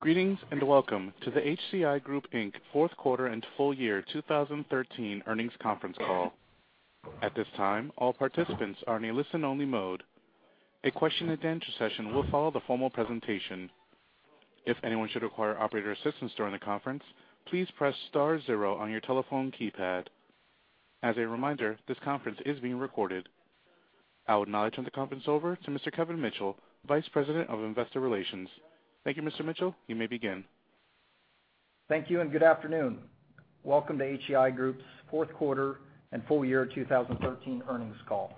Greetings, and welcome to the HCI Group, Inc. fourth quarter and full year 2013 earnings conference call. At this time, all participants are in a listen only mode. A question and answer session will follow the formal presentation. If anyone should require operator assistance during the conference, please press star zero on your telephone keypad. As a reminder, this conference is being recorded. I would now turn the conference over to Mr. Kevin Mitchell, Vice President of Investor Relations. Thank you, Mr. Mitchell. You may begin. Thank you, good afternoon. Welcome to HCI Group's fourth quarter and full year 2013 earnings call.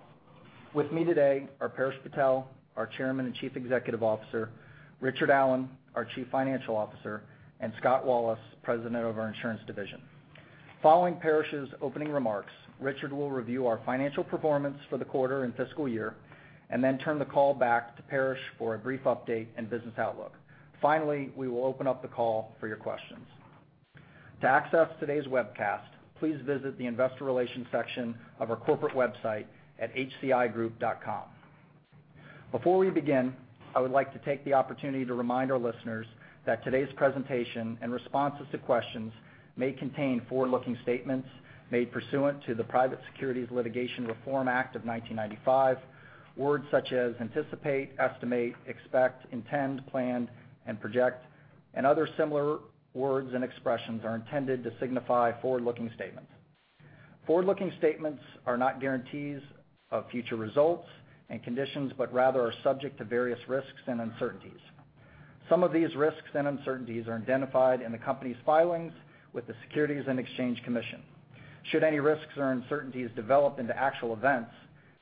With me today are Paresh Patel, our Chairman and Chief Executive Officer, Richard Allen, our Chief Financial Officer, and Scott Wallace, President of our Insurance division. Following Paresh's opening remarks, Richard will review our financial performance for the quarter and fiscal year, then turn the call back to Paresh for a brief update and business outlook. We will open up the call for your questions. To access today's webcast, please visit the investor relations section of our corporate website at hcigroup.com. Before we begin, I would like to take the opportunity to remind our listeners that today's presentation and responses to questions may contain forward-looking statements made pursuant to the Private Securities Litigation Reform Act of 1995. Words such as anticipate, estimate, expect, intend, plan, and project, other similar words and expressions are intended to signify forward-looking statements. Forward-looking statements are not guarantees of future results and conditions, rather are subject to various risks and uncertainties. Some of these risks and uncertainties are identified in the company's filings with the Securities and Exchange Commission. Should any risks or uncertainties develop into actual events,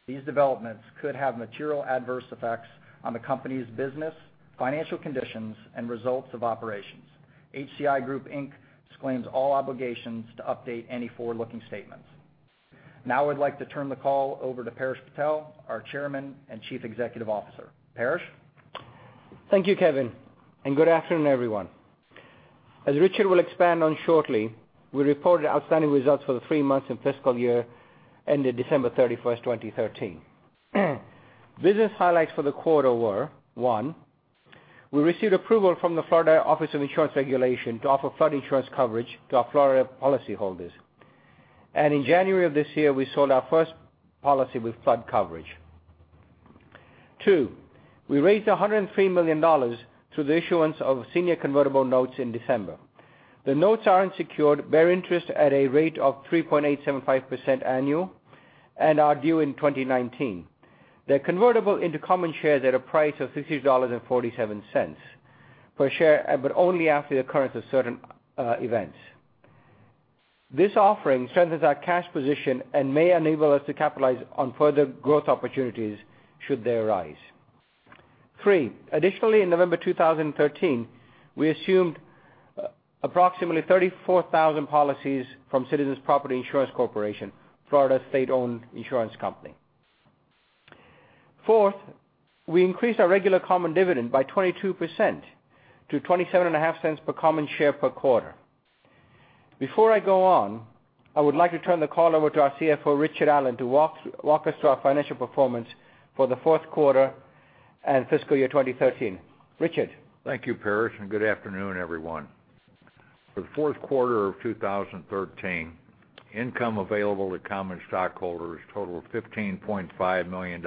these developments could have material adverse effects on the company's business, financial conditions, and results of operations. HCI Group, Inc. disclaims all obligations to update any forward-looking statements. I'd like to turn the call over to Paresh Patel, our Chairman and Chief Executive Officer. Paresh? Thank you, Kevin, good afternoon, everyone. As Richard will expand on shortly, we reported outstanding results for the 3 months and fiscal year ended December 31st, 2013. Business highlights for the quarter were, 1, we received approval from the Florida Office of Insurance Regulation to offer flood insurance coverage to our Florida policyholders. In January of this year, we sold our first policy with flood coverage. 2, we raised $103 million through the issuance of senior convertible notes in December. The notes are unsecured, bear interest at a rate of 3.875% annual, are due in 2019. They're convertible into common shares at a price of $50.47 per share, only after the occurrence of certain events. This offering strengthens our cash position and may enable us to capitalize on further growth opportunities should they arise. Three, additionally, in November 2013, we assumed approximately 34,000 policies from Citizens Property Insurance Corporation, Florida's state-owned insurance company. Fourth, we increased our regular common dividend by 22% to $0.275 per common share per quarter. Before I go on, I would like to turn the call over to our CFO, Richard Allen, to walk us through our financial performance for the fourth quarter and fiscal year 2013. Richard? Thank you, Paresh, and good afternoon, everyone. For the fourth quarter of 2013, income available to common stockholders totaled $15.5 million,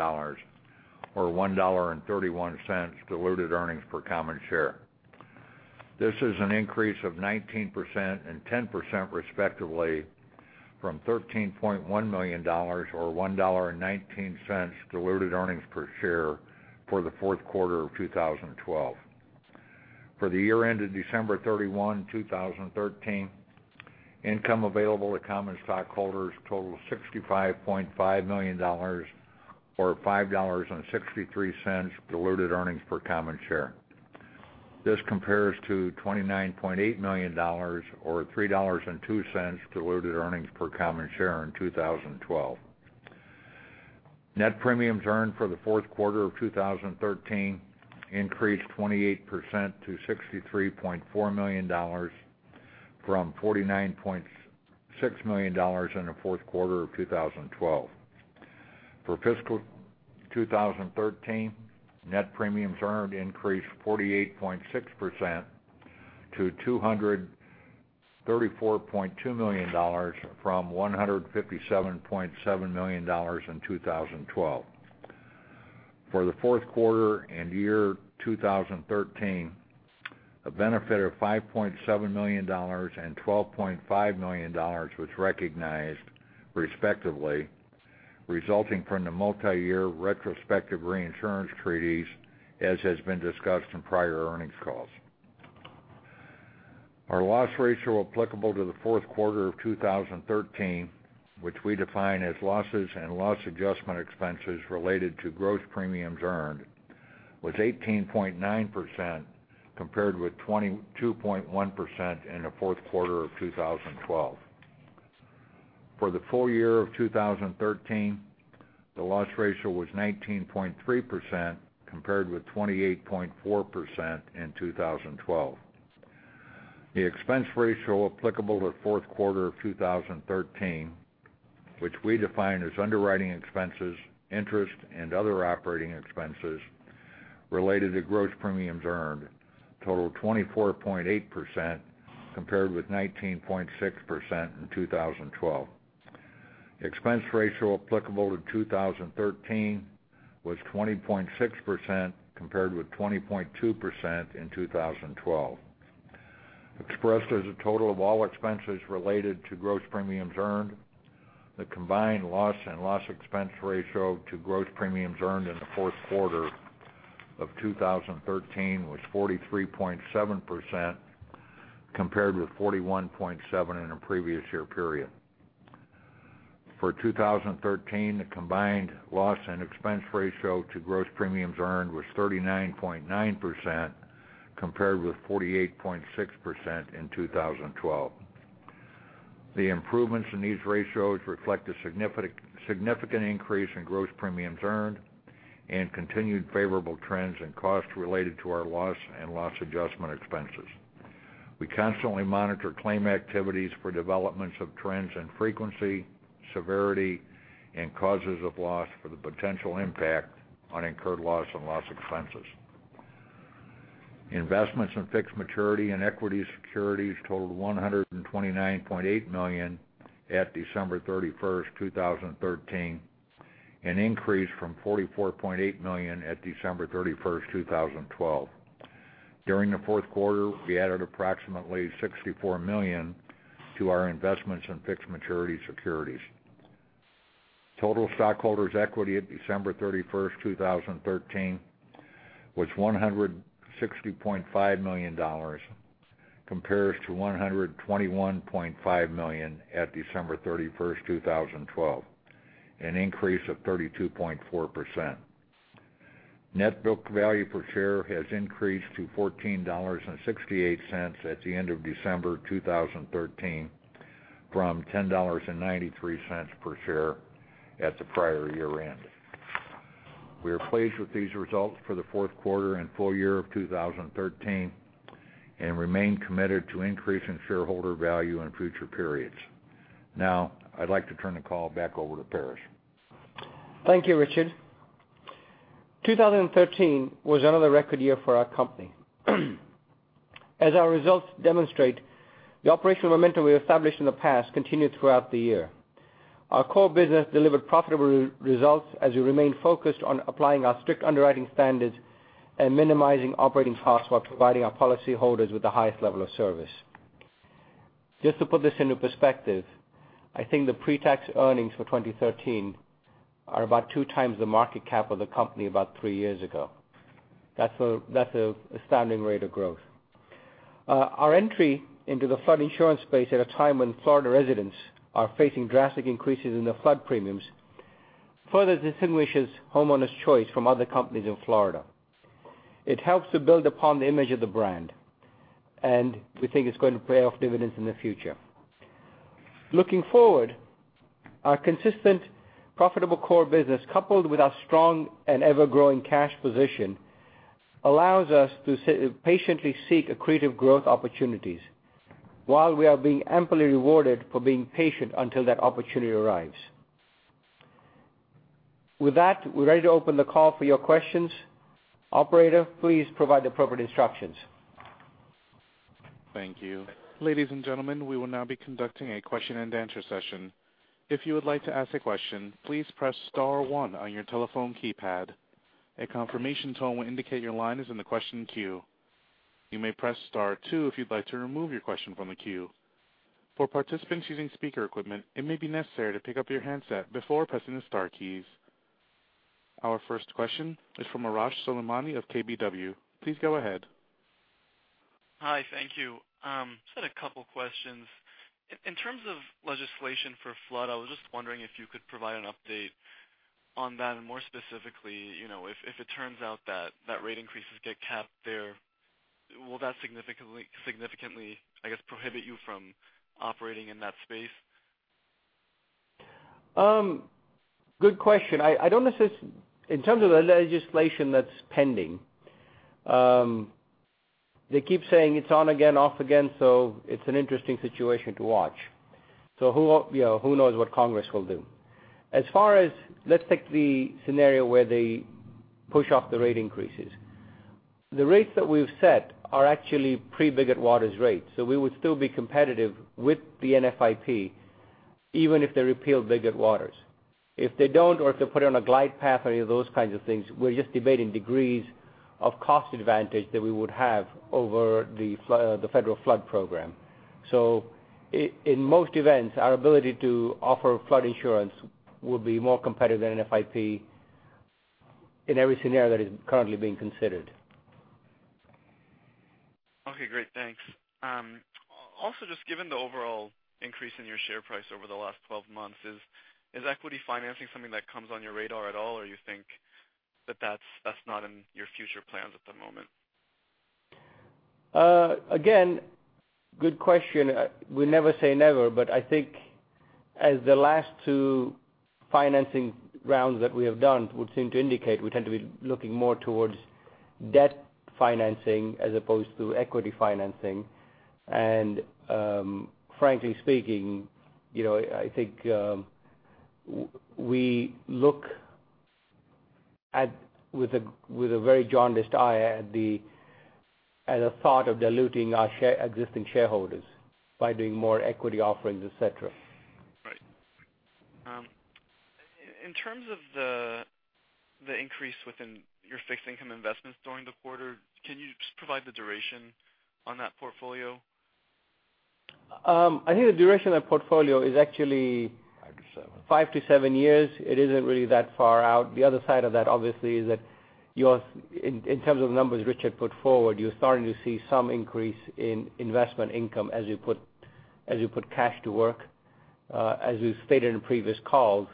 or $1.31 diluted earnings per common share. This is an increase of 19% and 10% respectively from $13.1 million, or $1.19 diluted earnings per share for the fourth quarter of 2012. For the year ended December 31, 2013, income available to common stockholders totaled $65.5 million, or $5.63 diluted earnings per common share. This compares to $29.8 million, or $3.02 diluted earnings per common share in 2012. Net premiums earned for the fourth quarter of 2013 increased 28% to $63.4 million from $49.6 million in the fourth quarter of 2012. For fiscal 2013, net premiums earned increased 48.6% to $234.2 million from $157.7 million in 2012. For the fourth quarter and year 2013, a benefit of $5.7 million and $12.5 million was recognized respectively, resulting from the multi-year retrospective reinsurance treaties as has been discussed in prior earnings calls. Our loss ratio applicable to the fourth quarter of 2013, which we define as losses and loss adjustment expenses related to gross premiums earned, was 18.9%, compared with 22.1% in the fourth quarter of 2012. For the full year of 2013, the loss ratio was 19.3%, compared with 28.4% in 2012. The expense ratio applicable to fourth quarter of 2013, which we define as underwriting expenses, interest, and other operating expenses related to gross premiums earned, totaled 24.8%, compared with 19.6% in 2012. Expense ratio applicable to 2013 was 20.6%, compared with 20.2% in 2012. Expressed as a total of all expenses related to gross premiums earned, the combined loss and loss expense ratio to gross premiums earned in the fourth quarter of 2013 was 43.7%, compared with 41.7% in the previous year period. For 2013, the combined loss and expense ratio to gross premiums earned was 39.9%, compared with 48.6% in 2012. The improvements in these ratios reflect a significant increase in gross premiums earned and continued favorable trends in costs related to our loss and loss adjustment expenses. We constantly monitor claim activities for developments of trends in frequency, severity, and causes of loss for the potential impact on incurred loss and loss expenses. Investments in fixed maturity and equity securities totaled $129.8 million at December 31, 2013, an increase from $44.8 million at December 31, 2012. During the fourth quarter, we added approximately $64 million to our investments in fixed maturity securities. Total stockholders' equity at December 31, 2013 was $160.5 million, compares to $121.5 million at December 31, 2012, an increase of 32.4%. Net book value per share has increased to $14.68 at the end of December 2013 from $10.93 per share at the prior year-end. We are pleased with these results for the fourth quarter and full year of 2013, and remain committed to increasing shareholder value in future periods. Now, I'd like to turn the call back over to Paresh. Thank you, Richard. 2013 was another record year for our company. As our results demonstrate, the operational momentum we established in the past continued throughout the year. Our core business delivered profitable results as we remained focused on applying our strict underwriting standards and minimizing operating costs while providing our policyholders with the highest level of service. Just to put this into perspective, I think the pre-tax earnings for 2013 are about two times the market cap of the company about three years ago. That's an astounding rate of growth. Our entry into the flood insurance space at a time when Florida residents are facing drastic increases in their flood premiums further distinguishes Homeowners Choice from other companies in Florida. It helps to build upon the image of the brand, and we think it's going to pay off dividends in the future. Looking forward, our consistent profitable core business, coupled with our strong and ever-growing cash position, allows us to patiently seek accretive growth opportunities while we are being amply rewarded for being patient until that opportunity arrives. With that, we're ready to open the call for your questions. Operator, please provide the appropriate instructions. Thank you. Ladies and gentlemen, we will now be conducting a question-and-answer session. If you would like to ask a question, please press *1 on your telephone keypad. A confirmation tone will indicate your line is in the question queue. You may press *2 if you'd like to remove your question from the queue. For participants using speaker equipment, it may be necessary to pick up your handset before pressing the star keys. Our first question is from Arash Soleimani of KBW. Please go ahead. Hi, thank you. Just had a couple questions. In terms of legislation for flood, I was just wondering if you could provide an update on that. More specifically, if it turns out that rate increases get capped there, will that significantly, I guess, prohibit you from operating in that space? Good question. In terms of the legislation that's pending, they keep saying it's on again, off again, so it's an interesting situation to watch. Who knows what Congress will do? As far as, let's take the scenario where they push off the rate increases. The rates that we've set are actually pre-Biggert-Waters rates, so we would still be competitive with the NFIP even if they repeal Biggert-Waters. If they don't, or if they put it on a glide path or any of those kinds of things, we're just debating degrees of cost advantage that we would have over the federal flood program. In most events, our ability to offer flood insurance would be more competitive than NFIP in every scenario that is currently being considered. Okay, great. Thanks. Also, just given the overall increase in your share price over the last 12 months, is equity financing something that comes on your radar at all, or you think that's not in your future plans at the moment? Again, good question. We never say never, I think as the last two financing rounds that we have done would seem to indicate, we tend to be looking more towards debt financing as opposed to equity financing. Frankly speaking, I think we look with a very jaundiced eye at a thought of diluting our existing shareholders by doing more equity offerings, et cetera. Right. In terms of the increase within your fixed income investments during the quarter, can you just provide the duration on that portfolio? I think the duration of the portfolio is actually five to seven years. It isn't really that far out. The other side of that, obviously, is that in terms of numbers Richard put forward, you're starting to see some increase in investment income as you put cash to work. As we've stated in previous calls,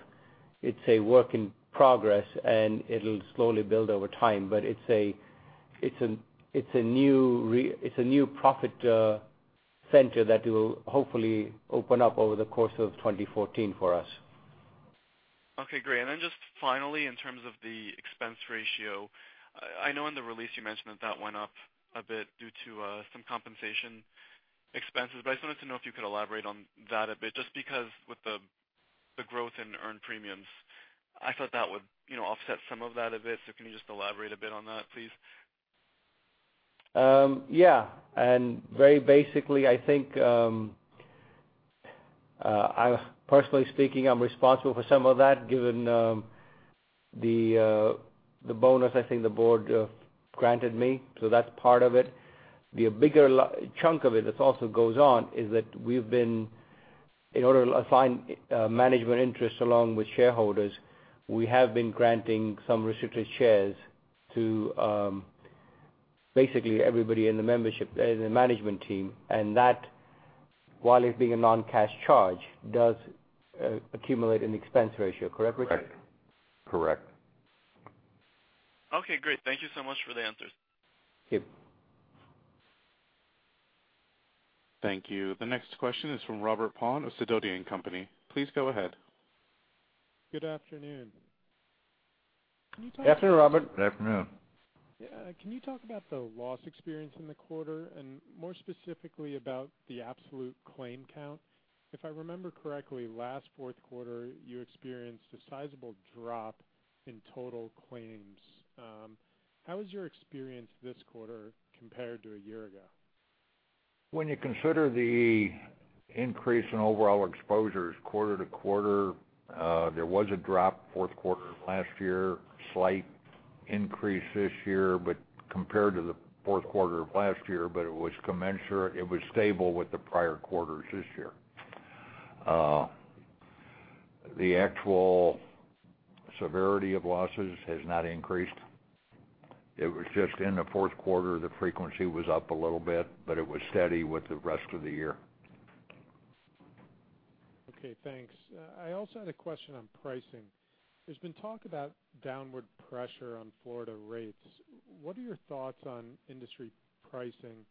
it's a work in progress, and it'll slowly build over time. It's a new profit center that will hopefully open up over the course of 2014 for us. Okay, great. Then just finally, in terms of the expense ratio, I know in the release you mentioned that that went up a bit due to some compensation expenses, I just wanted to know if you could elaborate on that a bit, just because with the growth in earned premiums, I thought that would offset some of that a bit. Can you just elaborate a bit on that, please? Yeah. Very basically, I think, personally speaking, I'm responsible for some of that, given the bonus I think the board granted me, that's part of it. The bigger chunk of it that also goes on is that in order to align management interests along with shareholders, we have been granting some restricted shares to basically everybody in the management team, that, while it being a non-cash charge, does accumulate an expense ratio. Correct, Richard? Correct. Okay, great. Thank you so much for the answers. Okay. Thank you. The next question is from Robert Pond of Sidoti & Company. Please go ahead. Good afternoon. Afternoon, Robert. Afternoon. Can you talk about the loss experience in the quarter, and more specifically, about the absolute claim count? If I remember correctly, last fourth quarter, you experienced a sizable drop in total claims. How was your experience this quarter compared to a year ago? When you consider the increase in overall exposures quarter to quarter, there was a drop fourth quarter last year, slight increase this year compared to the fourth quarter of last year, but it was stable with the prior quarters this year. The actual severity of losses has not increased. It was just in the fourth quarter, the frequency was up a little bit, but it was steady with the rest of the year. Okay, thanks. I also had a question on pricing. There's been talk about downward pressure on Florida rates. What are your thoughts on industry pricing?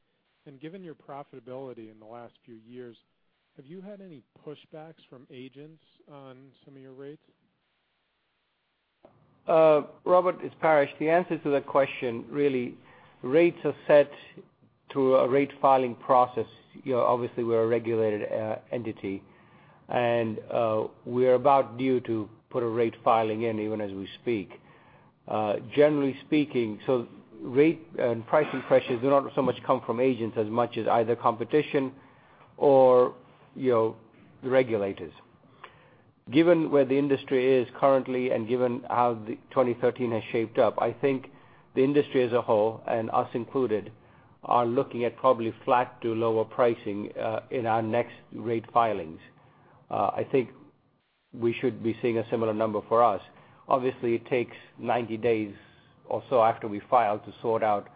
Given your profitability in the last few years, have you had any pushbacks from agents on some of your rates? Robert, it's Paresh. The answer to that question, really, rates are set through a rate filing process. Obviously, we're a regulated entity. We're about due to put a rate filing in even as we speak. Generally speaking, rate and pricing pressures do not so much come from agents as much as either competition or regulators. Given where the industry is currently and given how 2013 has shaped up, I think the industry as a whole, and us included, are looking at probably flat to lower pricing in our next rate filings. I think we should be seeing a similar number for us. Obviously, it takes 90 days or so after we file to sort out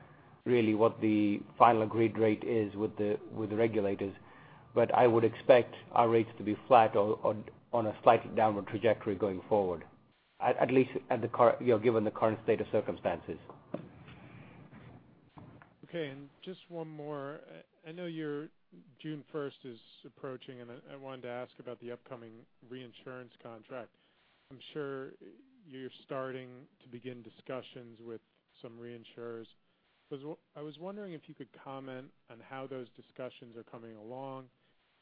really what the final agreed rate is with the regulators. I would expect our rates to be flat or on a slight downward trajectory going forward, at least given the current state of circumstances. Just one more. I know your June 1st is approaching, and I wanted to ask about the upcoming reinsurance contract. I'm sure you're starting to begin discussions with some reinsurers. I was wondering if you could comment on how those discussions are coming along,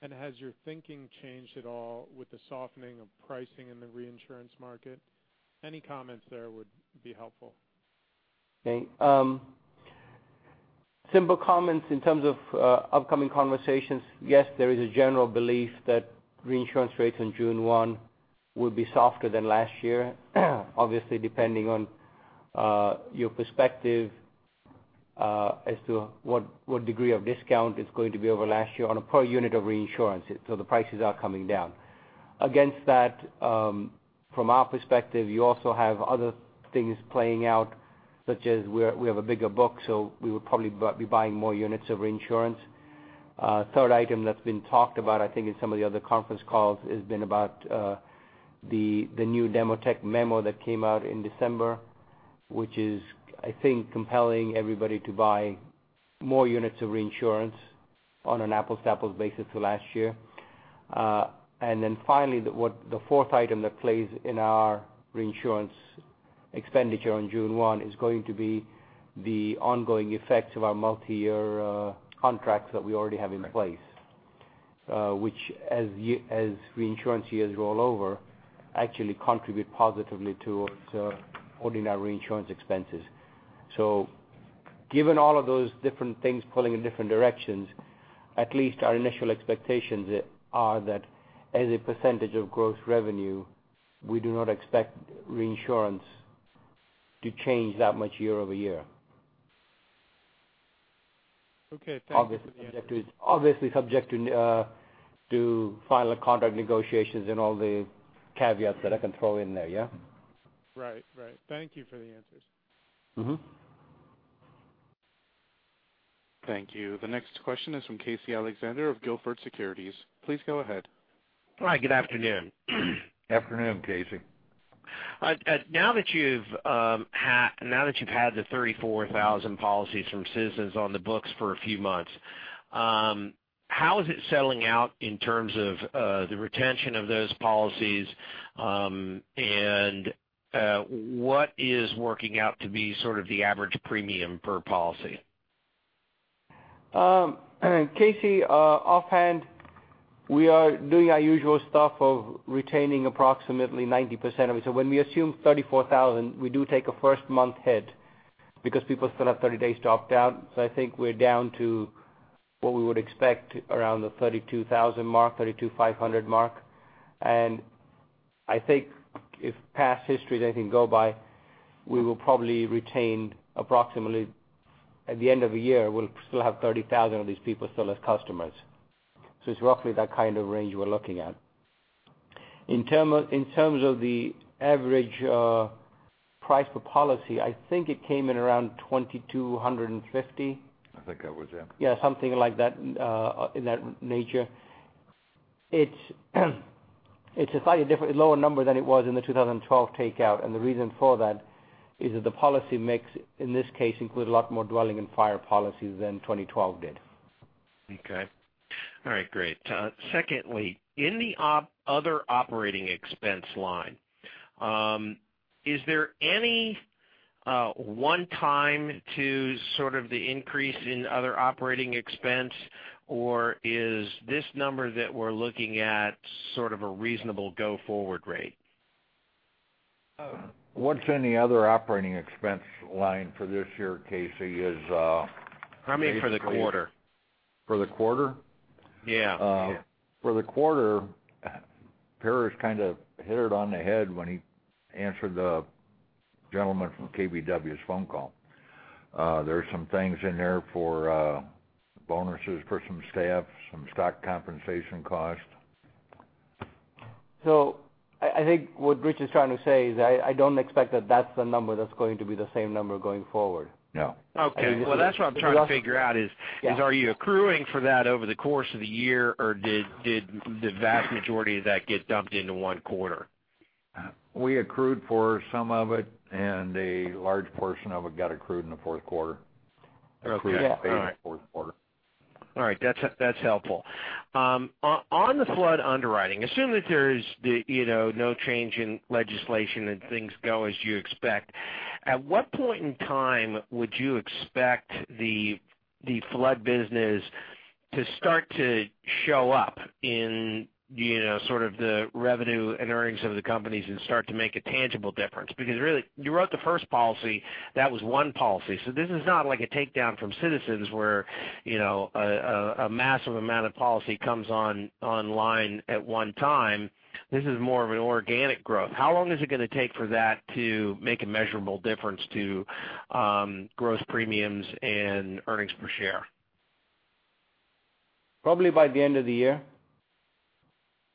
and has your thinking changed at all with the softening of pricing in the reinsurance market? Any comments there would be helpful. Simple comments in terms of upcoming conversations. Yes, there is a general belief that reinsurance rates on June 1 will be softer than last year, obviously, depending on your perspective as to what degree of discount is going to be over last year on a per unit of reinsurance. The prices are coming down. Against that, from our perspective, you also have other things playing out, such as we have a bigger book, so we will probably be buying more units of reinsurance. Third item that's been talked about, I think in some of the other conference calls, has been about the new Demotech memo that came out in December, which is, I think, compelling everybody to buy more units of reinsurance on an apples-to-apples basis to last year. The fourth item that plays in our reinsurance expenditure on June 1 is going to be the ongoing effects of our multi-year contracts that we already have in place, which as reinsurance years roll over, actually contribute positively to its ordinary reinsurance expenses. Given all of those different things pulling in different directions, at least our initial expectations are that as a percentage of gross revenue, we do not expect reinsurance to change that much year over year. Okay. Thank you for the answer. Obviously subject to final contract negotiations and all the caveats that I can throw in there, yeah? Right. Thank you for the answers. Thank you. The next question is from Casey Alexander of Gilford Securities. Please go ahead. Hi, good afternoon. Afternoon, Casey. Now that you've had the 34,000 policies from Citizens on the books for a few months, how is it settling out in terms of the retention of those policies? What is working out to be sort of the average premium per policy? Casey, offhand, we are doing our usual stuff of retaining approximately 90% of it. When we assume 34,000, we do take a first month hit because people still have 30 days to opt out. I think we're down to what we would expect around the 32,000 mark, 32,500 mark. I think if past history is anything to go by, we will probably retain approximately at the end of the year, we'll still have 30,000 of these people still as customers. It's roughly that kind of range we're looking at. In terms of the average price per policy, I think it came in around $2,250. I think that was it. Yeah, something like that, in that nature. It is a slightly different lower number than it was in the 2012 takeout, and the reason for that is that the policy mix, in this case, includes a lot more dwelling and fire policies than 2012 did. Okay. All right, great. Secondly, in the other operating expense line, is there any one-time to sort of the increase in other operating expense or is this number that we are looking at sort of a reasonable go-forward rate? What is in the other operating expense line for this year, Casey, is basically. I mean for the quarter. For the quarter? Yeah. For the quarter, Paresh kind of hit it on the head when he answered the gentleman from KBW's phone call. There's some things in there for bonuses for some staff, some stock compensation costs. I think what Rich is trying to say is, I don't expect that that's the number that's going to be the same number going forward. No. Okay. Well, that's what I'm trying to figure out is, are you accruing for that over the course of the year, or did the vast majority of that get dumped into one quarter? We accrued for some of it, and a large portion of it got accrued in the fourth quarter. Okay. All right. Accrued and paid in the fourth quarter. All right. That's helpful. On the flood underwriting, assume that there's no change in legislation and things go as you expect. At what point in time would you expect the flood business to start to show up in sort of the revenue and earnings of the companies and start to make a tangible difference? Because really, you wrote the first policy, that was one policy. This is not like a takedown from Citizens where a massive amount of policy comes online at one time. This is more of an organic growth. How long is it going to take for that to make a measurable difference to gross premiums and earnings per share? Probably by the end of the year.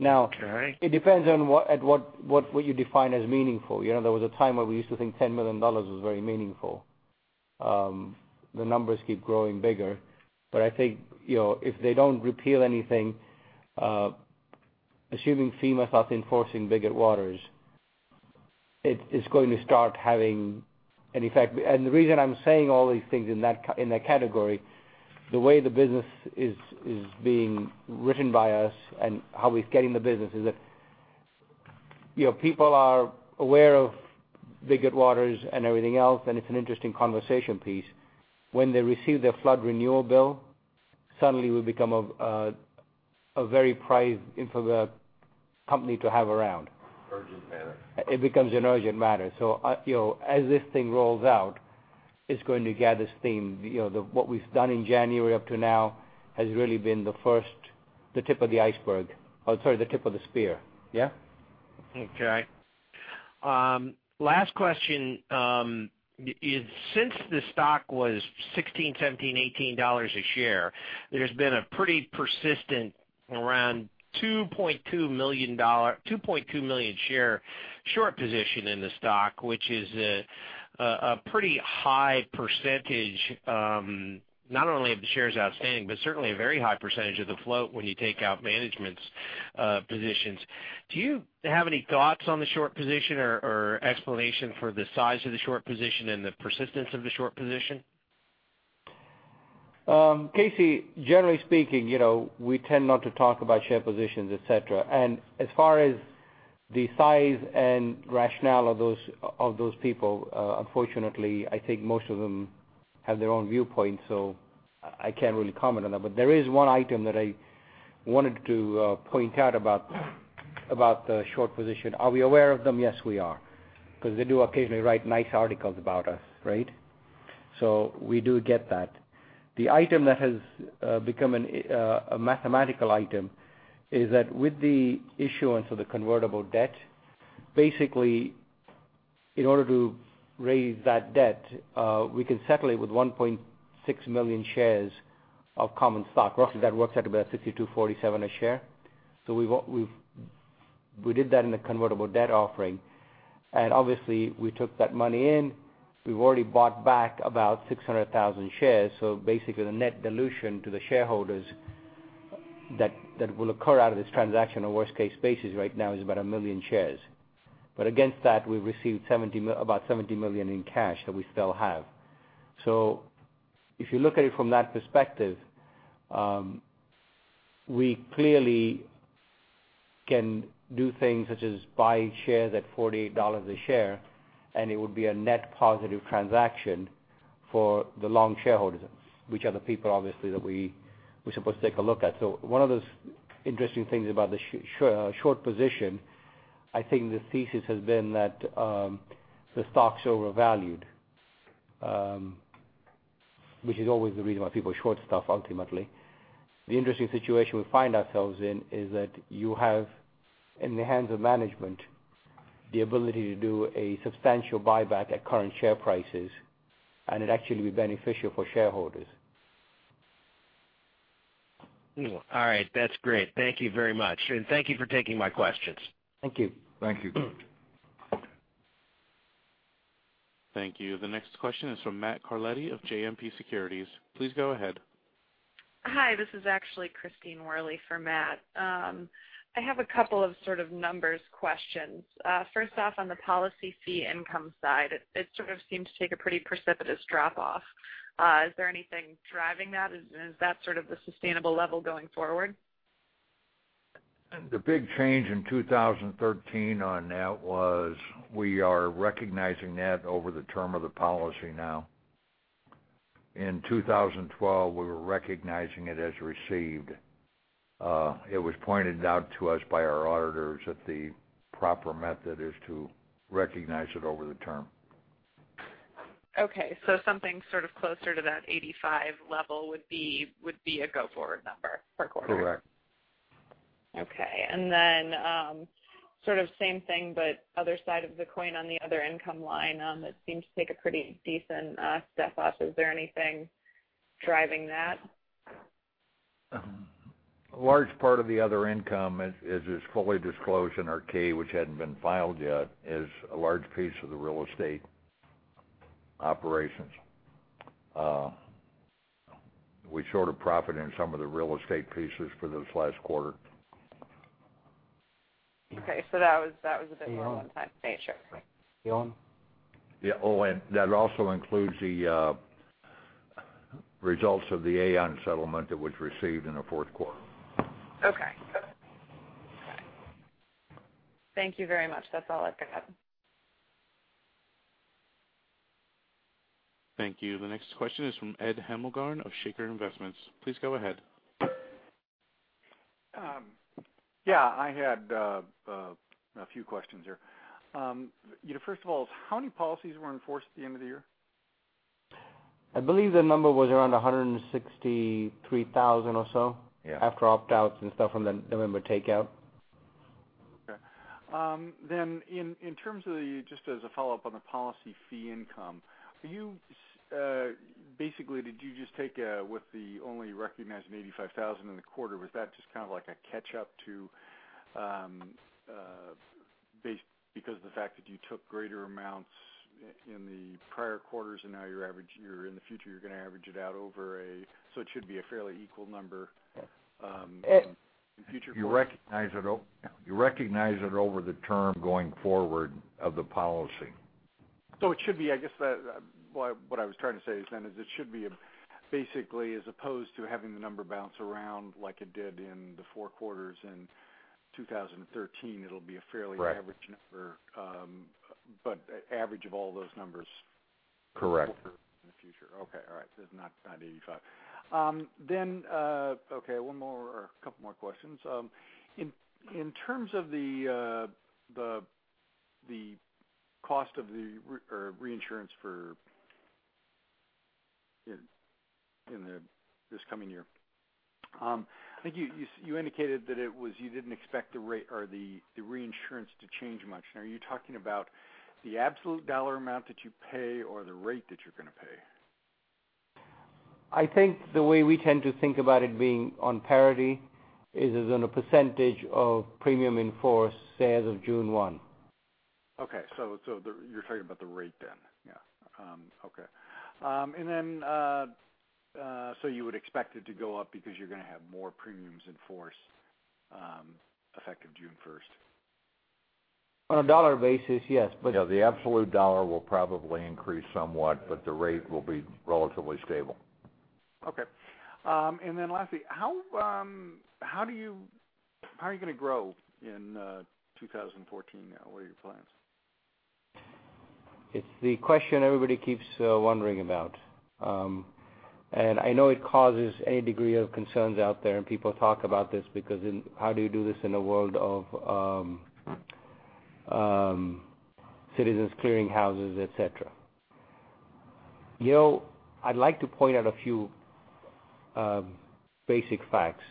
Okay. It depends on what you define as meaningful. There was a time where we used to think $10 million was very meaningful. The numbers keep growing bigger. I think, if they don't repeal anything, assuming FEMA starts enforcing Biggert-Waters, it is going to start having an effect. The reason I'm saying all these things in that category, the way the business is being written by us and how we're getting the business is that people are aware of Biggert-Waters and everything else, and it's an interesting conversation piece. When they receive their flood renewal bill, suddenly we become a very prized info company to have around. Urgent matter. It becomes an urgent matter. As this thing rolls out, it's going to gather steam. What we've done in January up to now has really been the first, the tip of the iceberg. Or sorry, the tip of the spear. Yeah? Okay. Last question. Since the stock was $16, $17, $18 a share, there's been a pretty persistent around 2.2 million share short position in the stock, which is a pretty high percentage. Not only of the shares outstanding, but certainly a very high percentage of the float when you take out management's positions. Do you have any thoughts on the short position or explanation for the size of the short position and the persistence of the short position? Casey, generally speaking, we tend not to talk about share positions, et cetera. As far as the size and rationale of those people, unfortunately, I think most of them have their own viewpoint, so I can't really comment on that. There is one item that I wanted to point out about the short position. Are we aware of them? Yes, we are, because they do occasionally write nice articles about us, right? We do get that. The item that has become a mathematical item is that with the issuance of the convertible debt, basically, in order to raise that debt, we can settle it with 1.6 million shares of common stock. Roughly, that works out to about $52.47 a share. We did that in the convertible debt offering. Obviously, we took that money in. We've already bought back about 600,000 shares, basically the net dilution to the shareholders that will occur out of this transaction on a worst-case basis right now is about 1 million shares. Against that, we've received about $70 million in cash that we still have. If you look at it from that perspective, we clearly can do things such as buy shares at $48 a share, and it would be a net positive transaction for the long shareholders, which are the people, obviously, that we're supposed to take a look at. One of the interesting things about the short position, I think the thesis has been that the stock's overvalued, which is always the reason why people short stuff, ultimately. The interesting situation we find ourselves in is that you have, in the hands of management, the ability to do a substantial buyback at current share prices, and it'd actually be beneficial for shareholders. All right. That's great. Thank you very much, and thank you for taking my questions. Thank you. Thank you. Thank you. The next question is from Matt Carletti of JMP Securities. Please go ahead. Hi, this is actually Christine Worley for Matt. I have a couple of sort of numbers questions. First off, on the policy fee income side, it sort of seemed to take a pretty precipitous drop off. Is there anything driving that? Is that sort of the sustainable level going forward? The big change in 2013 on that was we are recognizing that over the term of the policy now. In 2012, we were recognizing it as received. It was pointed out to us by our auditors that the proper method is to recognize it over the term. Okay. Something sort of closer to that 85 level would be a go-forward number per quarter. Correct. Okay. Then sort of same thing, other side of the coin on the other income line, it seemed to take a pretty decent step up. Is there anything driving that? A large part of the other income, as is fully disclosed in our K, which hadn't been filed yet, is a large piece of the real estate operations. We showed a profit in some of the real estate pieces for this last quarter. Okay. That was a bit more one-time. Sure. Allen? That also includes the results of the Aon settlement that was received in the fourth quarter. Okay. Thank you very much. That's all I've got. Thank you. The next question is from Edward Hemmelgarn of Shaker Investments. Please go ahead. Yeah, I had a few questions here. First of all, how many policies were in force at the end of the year? I believe the number was around 163,000 or so after opt-outs and stuff from the November takeout. Okay. In terms of just as a follow-up on the policy fee income, basically, did you just take with the only recognized $85,000 in the quarter, was that just kind of like a catch-up to because of the fact that you took greater amounts in the prior quarters, and now in the future, you're going to average it out over a, it should be a fairly equal number in future quarters? You recognize it over the term going forward of the policy. It should be, I guess what I was trying to say is then is it should be basically as opposed to having the number bounce around like it did in the four quarters in 2013, it'll be a fairly average number. Right. Average of all those numbers. Correct in the future. Okay. All right. It's not 85. Okay, one more or a couple more questions. In terms of the cost of the reinsurance for this coming year, I think you indicated that you didn't expect the rate or the reinsurance to change much. Are you talking about the absolute dollar amount that you pay or the rate that you're going to pay? I think the way we tend to think about it being on parity is as in a % of premium in force as of June 1. Okay. You're talking about the rate then. Yeah. Okay. You would expect it to go up because you're going to have more premiums in force effective June 1st? On a dollar basis, yes. Yeah, the absolute dollar will probably increase somewhat, but the rate will be relatively stable. Okay. Then lastly, how are you going to grow in 2014 now? What are your plans? It's the question everybody keeps wondering about. I know it causes a degree of concerns out there, and people talk about this because how do you do this in a world of Citizens clearinghouse, et cetera? I'd like to point out a few basic facts.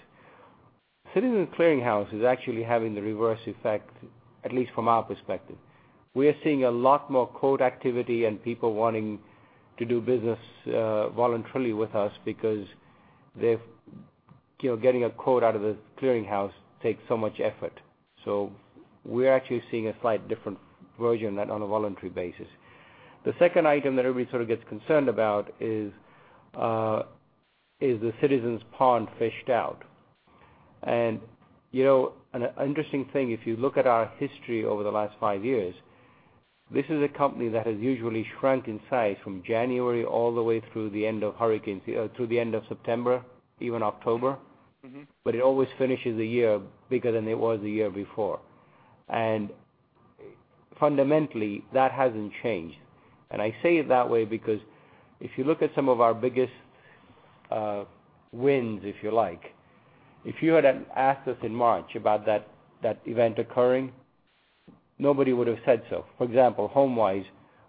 Citizens clearing house is actually having the reverse effect, at least from our perspective. We are seeing a lot more quote activity and people wanting to do business voluntarily with us because getting a quote out of the clearing house takes so much effort. We're actually seeing a slight different version that on a voluntary basis. The second item that everybody sort of gets concerned about is the Citizens pond fished out? An interesting thing, if you look at our history over the last five years, this is a company that has usually shrunk in size from January all the way through the end of September, even October. It always finishes a year bigger than it was the year before. Fundamentally, that hasn't changed. I say it that way because if you look at some of our biggest wins, if you like, if you had asked us in March about that event occurring, nobody would have said so. For example, HomeWise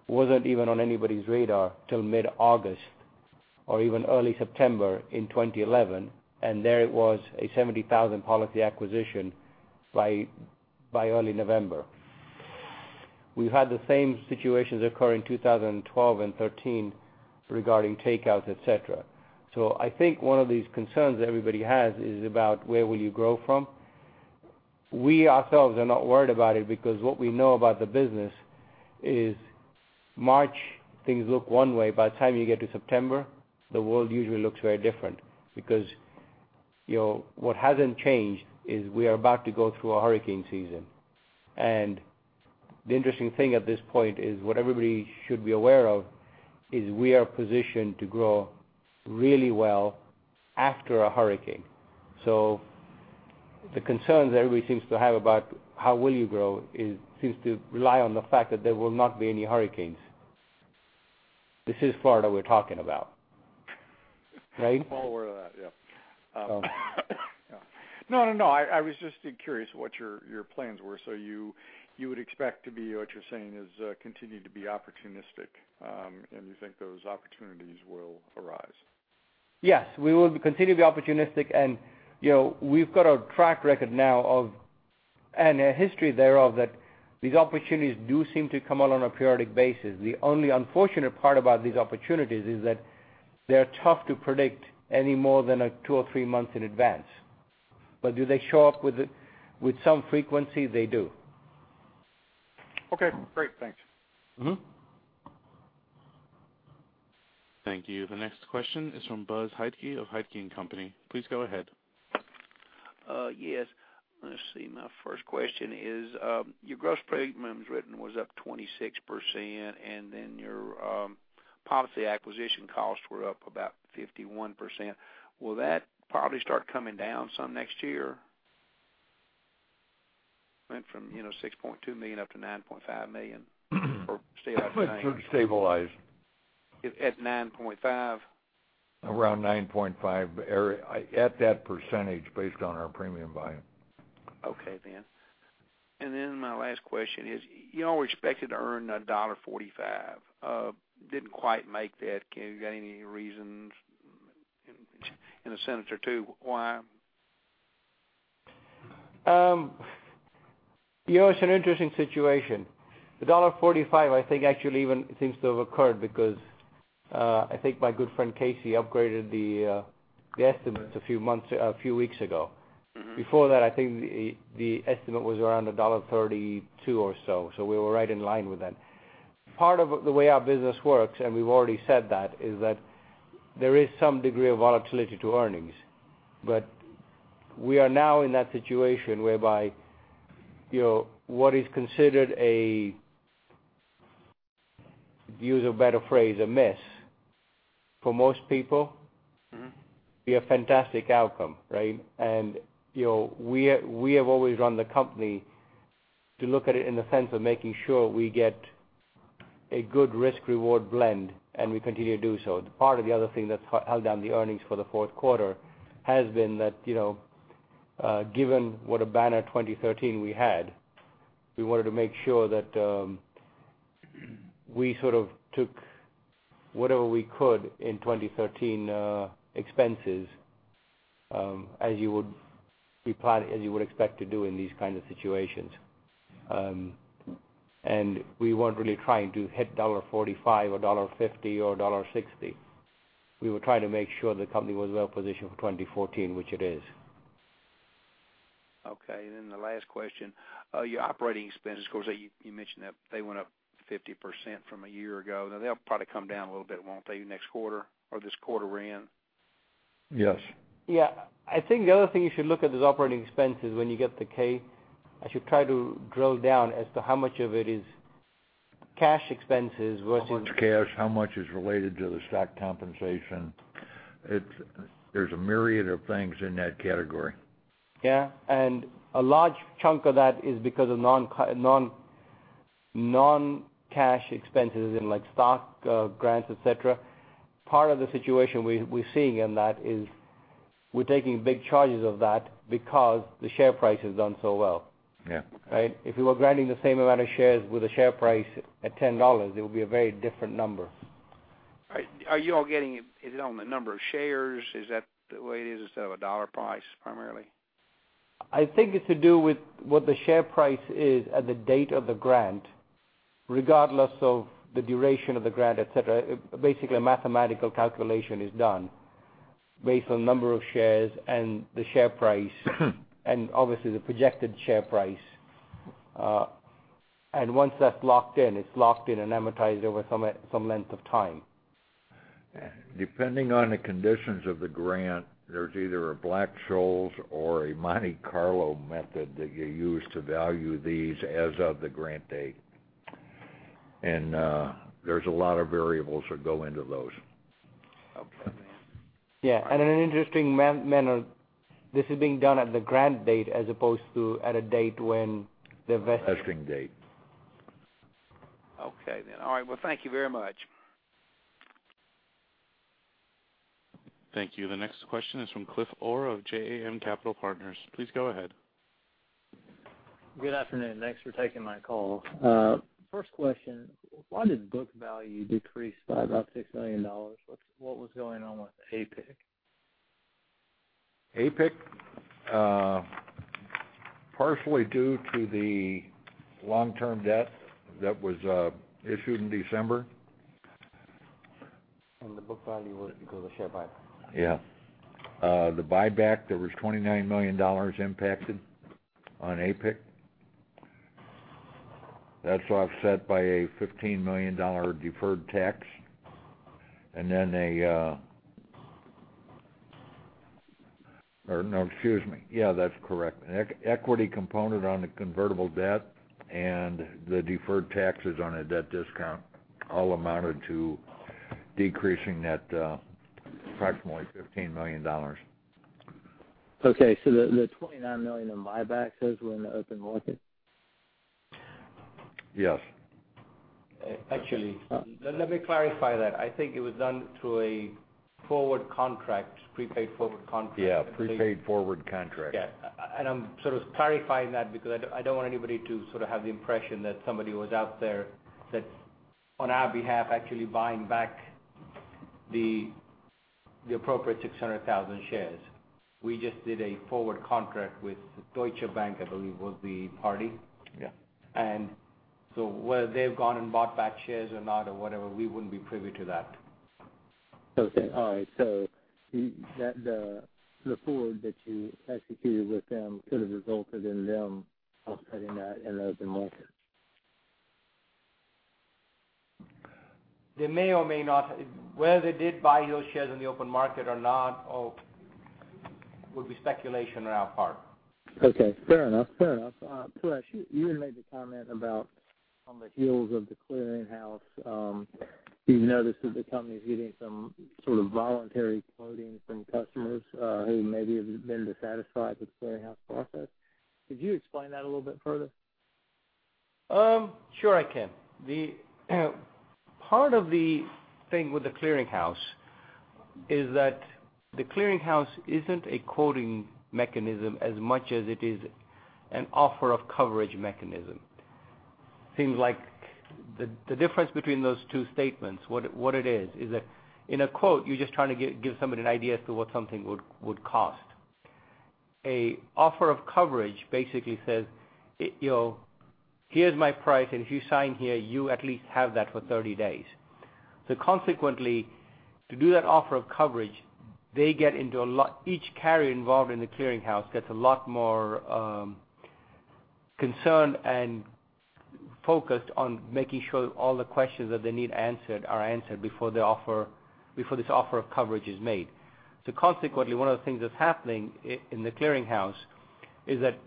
wasn't even on anybody's radar till mid-August or even early September in 2011, and there it was, a 70,000 policy acquisition by early November. We've had the same situations occur in 2012 and 2013 regarding takeouts, et cetera. I think one of these concerns everybody has is about where will you grow from. We ourselves are not worried about it because what we know about the business is March, things look one way. By the time you get to September, the world usually looks very different because what hasn't changed is we are about to go through a hurricane season. The interesting thing at this point is what everybody should be aware of is we are positioned to grow really well after a hurricane. The concerns everybody seems to have about how will you grow seems to rely on the fact that there will not be any hurricanes. This is Florida we're talking about, right? I'm well aware of that, yeah. So. I was just curious what your plans were. You would expect to be, what you're saying is, continue to be opportunistic, and you think those opportunities will arise. Yes, we will continue to be opportunistic, and we've got a track record now and a history thereof that these opportunities do seem to come along on a periodic basis. The only unfortunate part about these opportunities is that they're tough to predict any more than two or three months in advance. Do they show up with some frequency? They do. Okay, great. Thanks. Thank you. The next question is from Buzz Hiteke of Heidtke & Co.. Please go ahead. Yes. Let's see. My first question is, your gross premiums written was up 26%, and then your policy acquisition costs were up about 51%. Will that probably start coming down some next year? Went from $6.2 million up to $9.5 million. Or stay about the same. It should stabilize. At 9.5? Around 9.5, at that % based on our premium volume. Okay then. My last question is, you all were expected to earn $1.45. Didn't quite make that. You got any reasons in a sense or two why? It's an interesting situation. The $1.45 I think actually even seems to have occurred because, I think my good friend Casey upgraded the estimates a few weeks ago. Before that, I think the estimate was around $1.32 or so. We were right in line with that. Part of the way our business works, and we've already said that, is that there is some degree of volatility to earnings. We are now in that situation whereby what is considered a, to use a better phrase, a miss for most people. Would be a fantastic outcome, right? We have always run the company to look at it in the sense of making sure we get a good risk/reward blend, and we continue to do so. Part of the other thing that's held down the earnings for the fourth quarter has been that, given what a banner 2013 we had, we wanted to make sure that we sort of took whatever we could in 2013 expenses, as you would expect to do in these kinds of situations. We weren't really trying to hit $1.45 or $1.50 or $1.60. We were trying to make sure the company was well-positioned for 2014, which it is. Okay, the last question. Your operating expenses, of course, you mentioned that they went up 50% from a year ago. They'll probably come down a little bit, won't they, next quarter or this quarter we're in? Yes. Yeah. I think the other thing you should look at is operating expenses when you get the K. I should try to drill down as to how much of it is cash expenses versus- How much cash, how much is related to the stock compensation. There's a myriad of things in that category. Yeah. A large chunk of that is because of non-cash expenses in stock grants, et cetera. Part of the situation we're seeing in that is we're taking big charges of that because the share price has done so well. Yeah. Right? If we were granting the same amount of shares with a share price at $10, it would be a very different number. Are you all getting it on the number of shares? Is that the way it is instead of a dollar price, primarily? I think it's to do with what the share price is at the date of the grant, regardless of the duration of the grant, et cetera. Basically, a mathematical calculation is done based on number of shares and the share price. Obviously the projected share price. Once that's locked in, it's locked in and amortized over some length of time. Depending on the conditions of the grant, there's either a Black-Scholes or a Monte Carlo method that you use to value these as of the grant date. There's a lot of variables that go into those. Okay, then. Yeah. In an interesting manner, this is being done at the grant date as opposed to at a date when the. Vesting date. Okay. All right. Well, thank you very much. Thank you. The next question is from Cliff Orr of JAM Capital Partners. Please go ahead. Good afternoon. Thanks for taking my call. First question, why did book value decrease by about $6 million? What was going on with APIC? APIC? Partially due to the long-term debt that was issued in December. The book value was because of share buyback. Yeah. The buyback, there was $29 million impacted on APIC. That's offset by a $15 million deferred tax. No, excuse me. Yeah, that's correct. Equity component on the convertible debt and the deferred taxes on a debt discount all amounted to decreasing that approximately $15 million. Okay, the $29 million in buybacks was in the open market? Yes. Actually, let me clarify that. I think it was done through a forward contract, prepaid forward contract. Yeah, prepaid forward contract. Yeah. I'm sort of clarifying that because I don't want anybody to sort of have the impression that somebody was out there that on our behalf, actually buying back the appropriate 600,000 shares. We just did a forward contract with Deutsche Bank, I believe was the party. Yeah. Whether they've gone and bought back shares or not or whatever, we wouldn't be privy to that. Okay. All right. The forward that you executed with them could have resulted in them offsetting that in the open market. They may or may not. Whether they did buy those shares in the open market or not would be speculation on our part. Okay. Fair enough. Paresh, you had made the comment about on the heels of the clearinghouse, you've noticed that the company's getting some sort of voluntary quoting from customers who maybe have been dissatisfied with the clearinghouse process. Could you explain that a little bit further? Sure I can. Part of the thing with the clearinghouse is that the clearinghouse isn't a quoting mechanism as much as it is an offer of coverage mechanism. Seems like the difference between those two statements, what it is that in a quote, you're just trying to give somebody an idea as to what something would cost. An offer of coverage basically says, "Here's my price, and if you sign here, you at least have that for 30 days." Consequently, to do that offer of coverage, each carrier involved in the clearinghouse gets a lot more concerned and focused on making sure all the questions that they need answered are answered before this offer of coverage is made. Consequently, one of the things that's happening in the clearinghouse is that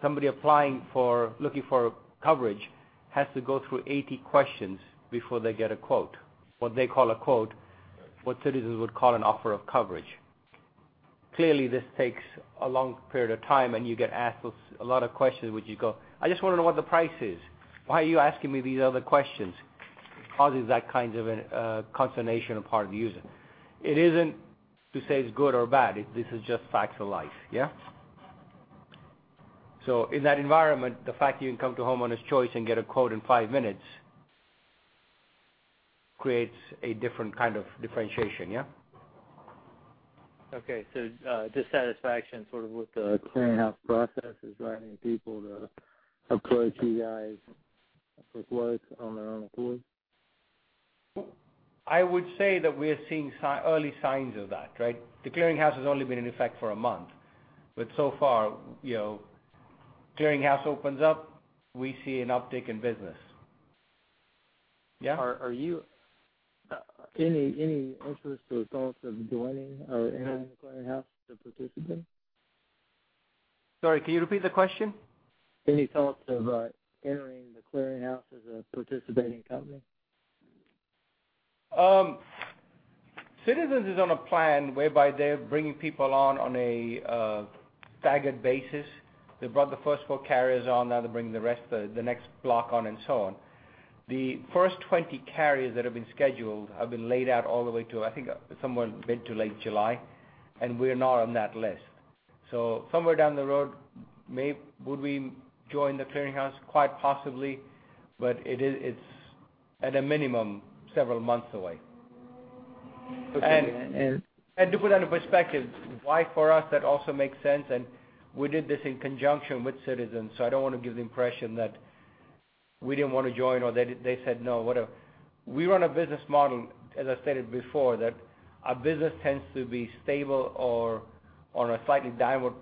somebody applying for, looking for coverage has to go through 80 questions before they get a quote. What they call a quote, what Citizens would call an offer of coverage. Clearly, this takes a long period of time, and you get asked a lot of questions, which you go, "I just want to know what the price is. Why are you asking me these other questions?" Causes that kind of a consternation on part of the user. It isn't to say it's good or bad. This is just facts of life. Yeah? In that environment, the fact you can come to Homeowners Choice and get a quote in five minutes creates a different kind of differentiation, yeah? Okay. Dissatisfaction sort of with the clearinghouse process is driving people to approach you guys for quotes on their own accord? I would say that we are seeing early signs of that, right? The clearinghouse has only been in effect for a month. So far, clearinghouse opens up, we see an uptick in business. Yeah Are you- Any interest or thoughts of joining or entering the clearinghouse to participate in? Sorry, can you repeat the question? Any thoughts of entering the clearinghouse as a participating company? Citizens is on a plan whereby they're bringing people on a staggered basis. They brought the first four carriers on, now they're bringing the next block on, and so on. The first 20 carriers that have been scheduled have been laid out all the way to, I think, mid-to-late July, and we're not on that list. Somewhere down the road, would we join the clearinghouse? Quite possibly, but it's at a minimum several months away. Okay. To put that in perspective, why for us that also makes sense, and we did this in conjunction with Citizens, I don't want to give the impression that we didn't want to join or they said no. We run a business model, as I stated before, that our business tends to be stable or on a slightly downward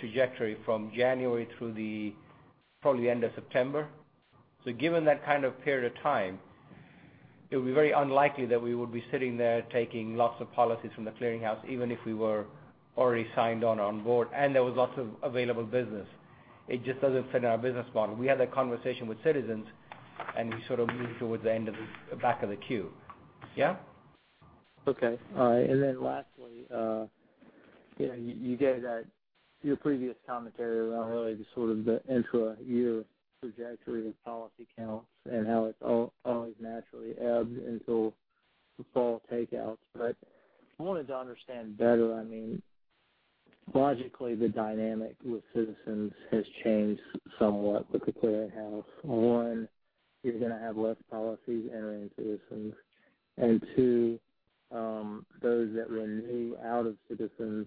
trajectory from January through probably the end of September. Given that kind of period of time, it would be very unlikely that we would be sitting there taking lots of policies from the clearinghouse, even if we were already signed onboard and there was lots of available business. It just doesn't fit in our business model. We had that conversation with Citizens, and we sort of moved towards the end of the back of the queue. Yeah? Okay. All right, lastly, you gave your previous commentary around really the sort of the intra-year trajectory of policy counts and how it's always naturally ebbs until the fall takeouts. I wanted to understand better, logically, the dynamic with Citizens has changed somewhat with the clearinghouse. One, you're going to have less policies entering Citizens, and two, those that renew out of Citizens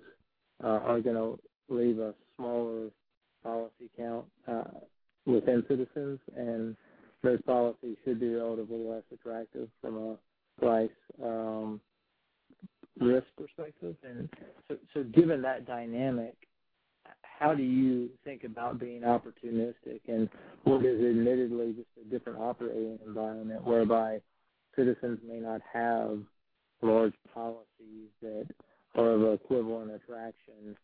are going to leave a smaller policy count, within Citizens, and those policies should be relatively less attractive from a price risk perspective. Given that dynamic, how do you think about being opportunistic and what is admittedly just a different operating environment whereby Citizens may not have large policies that are of equivalent attraction,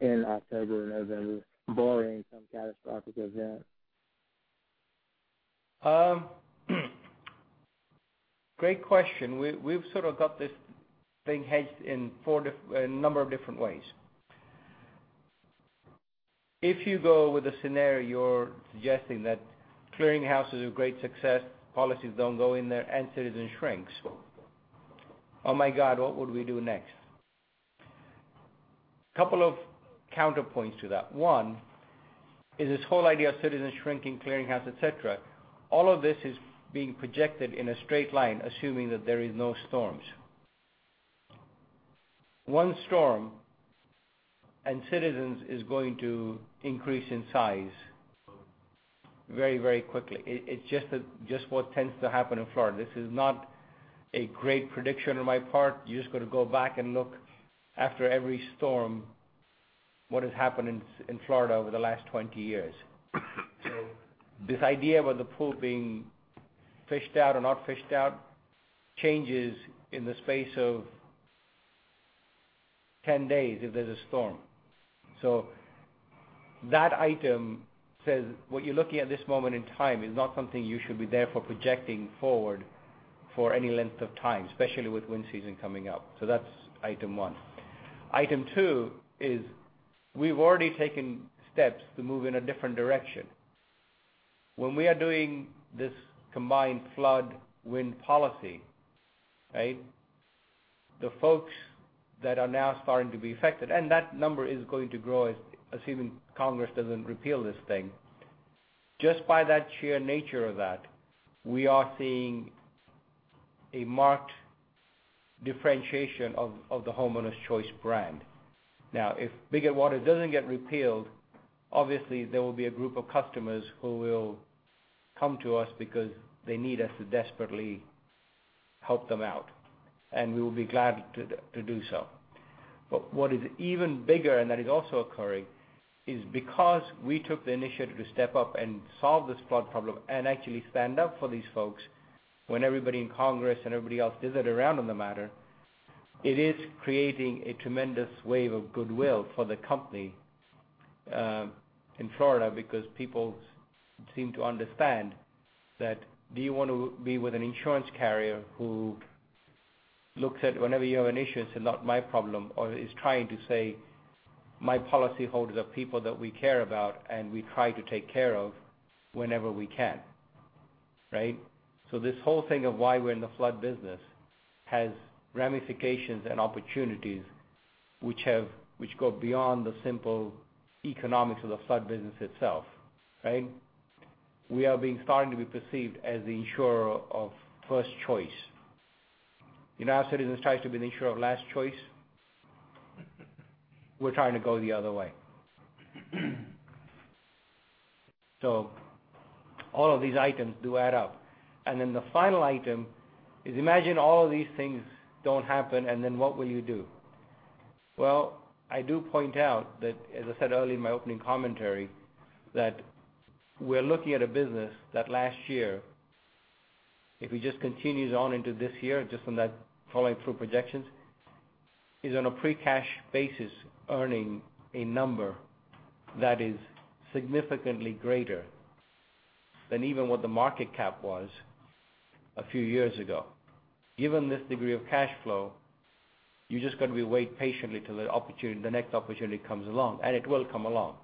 in October and November, barring some catastrophic event? Great question. We've sort of got this thing hedged in a number of different ways. If you go with the scenario you're suggesting, that clearing house is a great success, policies don't go in there, and Citizens shrinks. Oh my God, what would we do next? Couple of counterpoints to that. One is this whole idea of Citizens shrinking, clearing house, et cetera. All of this is being projected in a straight line, assuming that there is no storms. One storm, and Citizens is going to increase in size very, very quickly. It's just what tends to happen in Florida. This is not a great prediction on my part. You just got to go back and look after every storm what has happened in Florida over the last 20 years. This idea about the pool being fished out or not fished out changes in the space of 10 days if there's a storm. That item says what you're looking at this moment in time is not something you should be therefore projecting forward for any length of time, especially with wind season coming up. That's item one. Item two is we've already taken steps to move in a different direction. When we are doing this combined flood wind policy, the folks that are now starting to be affected, and that number is going to grow assuming Congress doesn't repeal this thing. Just by that sheer nature of that, we are seeing a marked differentiation of the Homeowners Choice brand. Now, if Biggert-Waters doesn't get repealed, obviously there will be a group of customers who will come to us because they need us to desperately help them out, and we will be glad to do so. What is even bigger, and that is also occurring, is because we took the initiative to step up and solve this flood problem and actually stand up for these folks when everybody in Congress and everybody else dithered around on the matter, it is creating a tremendous wave of goodwill for the company, in Florida, because people seem to understand that do you want to be with an insurance carrier who looks at whenever you have an issue and say, "Not my problem," or is trying to say, "My policyholders are people that we care about and we try to take care of whenever we can." Right? This whole thing of why we're in the flood business has ramifications and opportunities which go beyond the simple economics of the flood business itself. We are being starting to be perceived as the insurer of first choice. You know how Citizens tries to be the insurer of last choice? We're trying to go the other way. All of these items do add up. The final item is imagine all of these things don't happen, and then what will you do? Well, I do point out that, as I said earlier in my opening commentary, that we're looking at a business that last year, if we just continued on into this year, just from that following through projections, is on a pre-cash basis, earning a number that is significantly greater than even what the market cap was a few years ago. Given this degree of cash flow, you just got to wait patiently till the next opportunity comes along, and it will come along.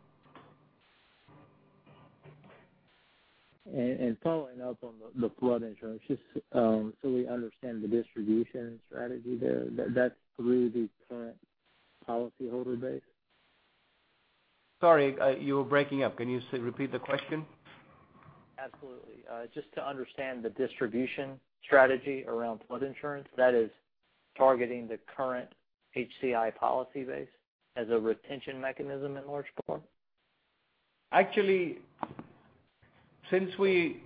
Following up on the flood insurance, just so we understand the distribution strategy there, that's through the current policyholder base? Sorry, you were breaking up. Can you repeat the question? Absolutely. Just to understand the distribution strategy around flood insurance that is targeting the current HCI policy base as a retention mechanism in large part. Actually, since we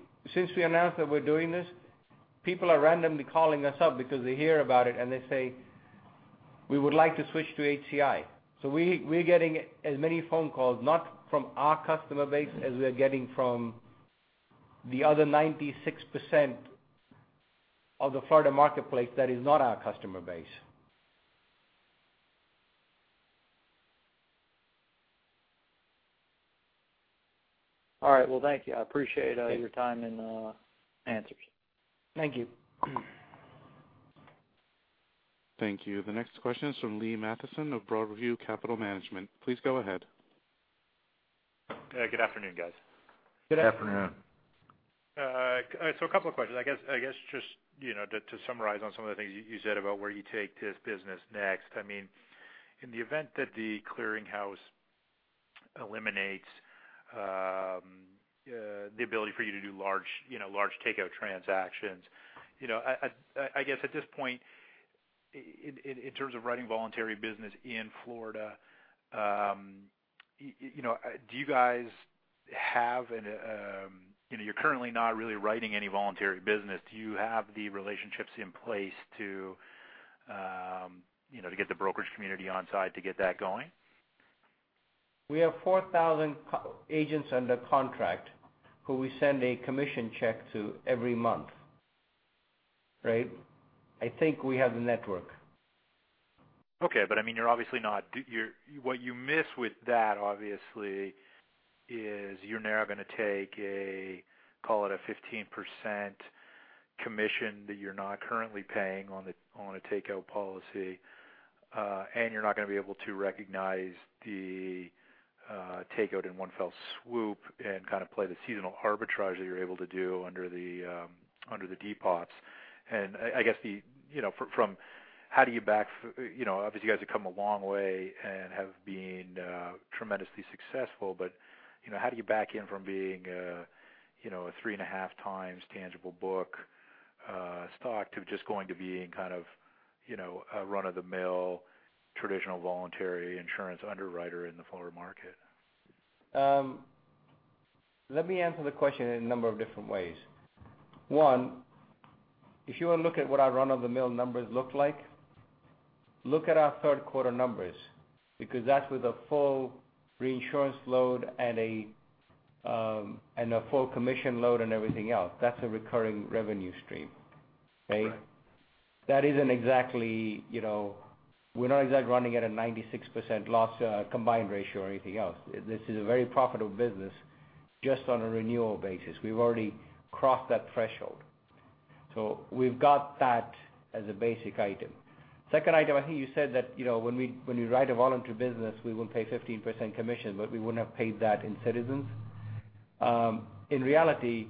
announced that we're doing this, people are randomly calling us up because they hear about it, and they say, "We would like to switch to HCI." We're getting as many phone calls, not from our customer base, as we are getting from the other 96% of the Florida marketplace that is not our customer base. All right. Well, thank you. I appreciate your time and answers. Thank you. Thank you. The next question is from Lee Matheson of Broadview Capital Management. Please go ahead. Good afternoon, guys. Good afternoon. Good afternoon. A couple of questions. I guess just to summarize on some of the things you said about where you take this business next. In the event that the clearinghouse eliminates the ability for you to do large takeout transactions, I guess at this point, in terms of writing voluntary business in Florida, you're currently not really writing any voluntary business. Do you have the relationships in place to get the brokerage community on site to get that going? We have 4,000 agents under contract who we send a commission check to every month. Right? I think we have the network. Okay. What you miss with that, obviously, is you're now going to take a, call it a 15% commission that you're not currently paying on a takeout policy. You're not going to be able to recognize the takeout in one fell swoop and kind of play the seasonal arbitrage that you're able to do under the depops. I guess, obviously, you guys have come a long way and have been tremendously successful, but how do you back in from being a three and a half times tangible book stock to just going to being kind of a run-of-the-mill traditional voluntary insurance underwriter in the Florida market? Let me answer the question in a number of different ways. One, if you want to look at what our run-of-the-mill numbers look like, look at our third quarter numbers, because that's with a full reinsurance load and a full commission load and everything else. That's a recurring revenue stream. Right? Correct. We're not exactly running at a 96% combined ratio or anything else. This is a very profitable business just on a renewal basis. We've already crossed that threshold. We've got that as a basic item. Second item, I think you said that when we write a voluntary business, we will pay 15% commission, but we wouldn't have paid that in Citizens. In reality,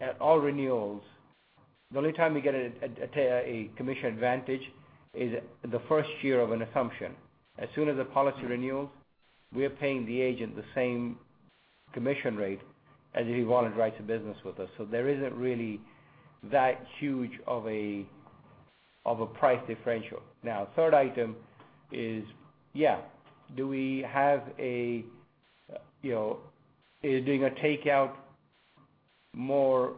at all renewals, the only time we get a commission advantage is the first year of an assumption. As soon as the policy renews, we are paying the agent the same commission rate as if he voluntary writes the business with us. There isn't really that huge of a price differential. Third item is, yeah, is doing a takeout more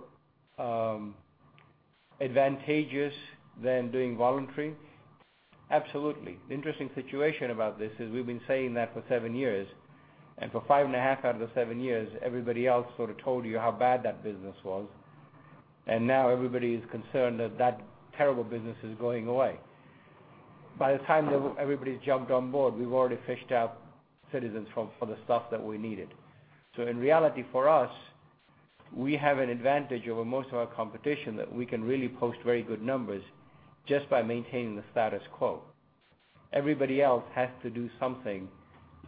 advantageous than doing voluntary? Absolutely. The interesting situation about this is we've been saying that for 7 years, and for five and a half out of the 7 years, everybody else sort of told you how bad that business was, and now everybody is concerned that that terrible business is going away. By the time everybody's jumped on board, we've already fished out Citizens for the stuff that we needed. In reality, for us, we have an advantage over most of our competition that we can really post very good numbers just by maintaining the status quo. Everybody else has to do something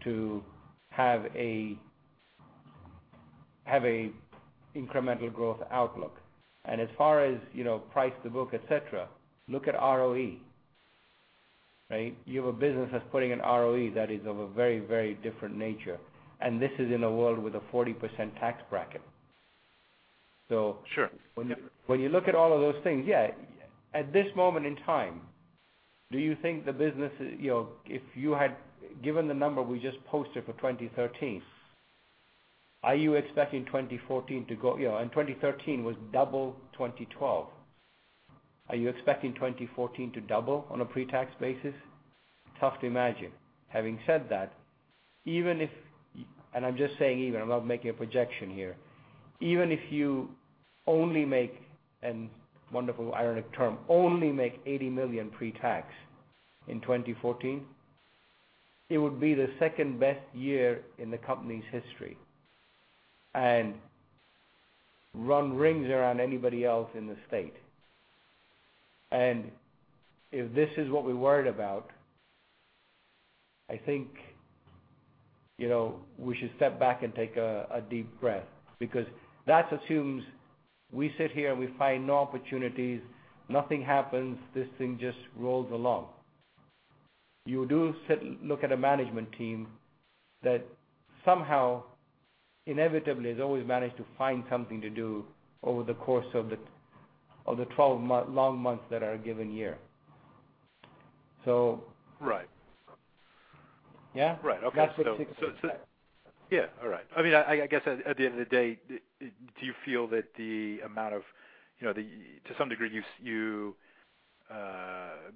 to have an incremental growth outlook. As far as price, the book, et cetera, look at ROE. Right? You have a business that's putting an ROE that is of a very, very different nature, and this is in a world with a 40% tax bracket. Sure. When you look at all of those things, yeah, at this moment in time, given the number we just posted for 2013. Are you expecting 2014 to go-- and 2013 was double 2012. Are you expecting 2014 to double on a pre-tax basis? Tough to imagine. Having said that, even if, and I'm just saying even, I'm not making a projection here. Even if you only make, and wonderful ironic term, only make $80 million pre-tax in 2014, it would be the second-best year in the company's history, and run rings around anybody else in the state. If this is what we're worried about, I think we should step back and take a deep breath because that assumes we sit here and we find no opportunities, nothing happens, this thing just rolls along. You do look at a management team that somehow inevitably has always managed to find something to do over the course of the 12 long months that are a given year. Right. Yeah? Right. Okay. That's. Yeah. All right. I guess at the end of the day, do you feel that the amount of, to some degree,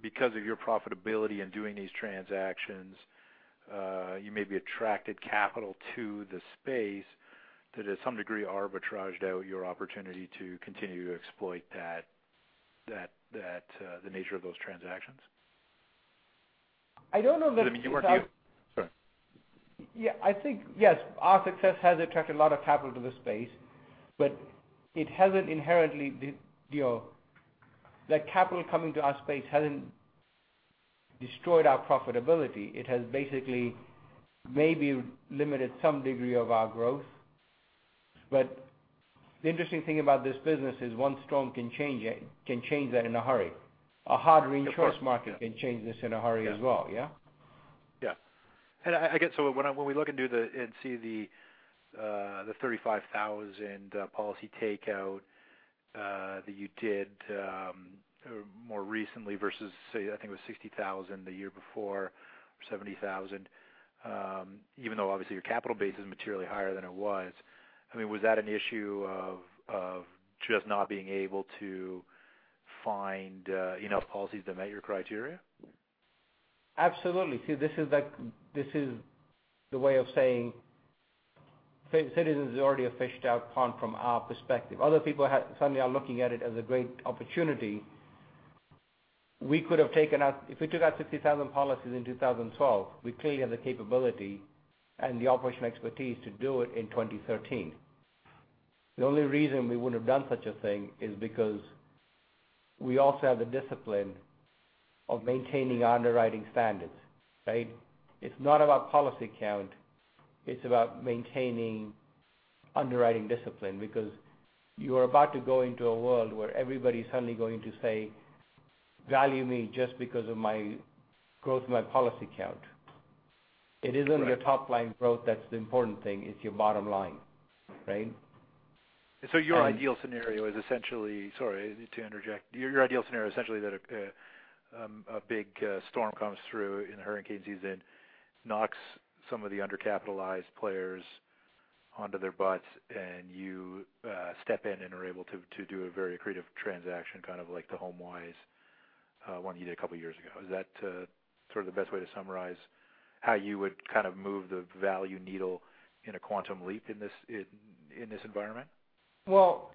because of your profitability in doing these transactions, you maybe attracted capital to the space that has some degree arbitraged out your opportunity to continue to exploit the nature of those transactions? I don't know. I mean, you work. Sorry. Yeah, I think, yes, our success has attracted a lot of capital to the space, but the capital coming to our space hasn't destroyed our profitability. It has basically maybe limited some degree of our growth. The interesting thing about this business is one storm can change that in a hurry. A hard reinsurance market can change this in a hurry as well, yeah? Yeah. I get, when we look into and see the 35,000 policy takeout that you did more recently versus, say, I think it was 60,000 the year before, or 70,000, even though obviously your capital base is materially higher than it was. Was that an issue of just not being able to find enough policies that met your criteria? Absolutely. See, this is the way of saying Citizens is already a fished-out pond from our perspective. Other people suddenly are looking at it as a great opportunity. If we took out 60,000 policies in 2012, we clearly have the capability and the operational expertise to do it in 2013. The only reason we wouldn't have done such a thing is because we also have the discipline of maintaining underwriting standards. Right? It's not about policy count, it's about maintaining underwriting discipline because you are about to go into a world where everybody's suddenly going to say, "Value me just because of my growth in my policy count. Right. It isn't your top-line growth that's the important thing, it's your bottom line. Right? Your ideal scenario is essentially, sorry to interject, your ideal scenario essentially that a big storm comes through in hurricane season, knocks some of the under-capitalized players onto their butts, and you step in and are able to do a very creative transaction, kind of like the HomeWise one you did a couple of years ago. Is that sort of the best way to summarize how you would move the value needle in a quantum leap in this environment? Well,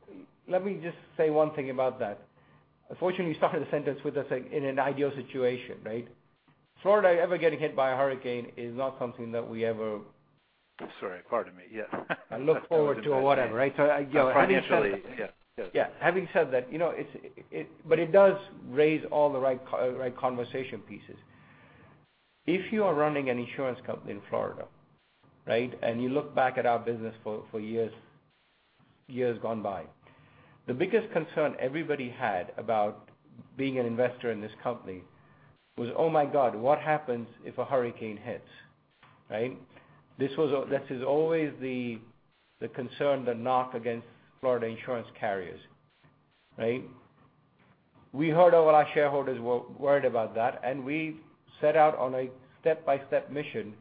let me just say one thing about that. Unfortunately, you started the sentence with a saying in an ideal situation, right? Florida ever getting hit by a hurricane is not something that we Sorry. Pardon me. Yeah. look forward to or whatever, right? Having said that Financially, yeah. Yeah. Having said that, it does raise all the right conversation pieces. If you are running an insurance company in Florida, right, and you look back at our business for years gone by, the biggest concern everybody had about being an investor in this company was, "Oh my God, what happens if a hurricane hits?" Right? This is always the concern, the knock against Florida insurance carriers. Right? We heard all our shareholders were worried about that, and we set out on a step-by-step mission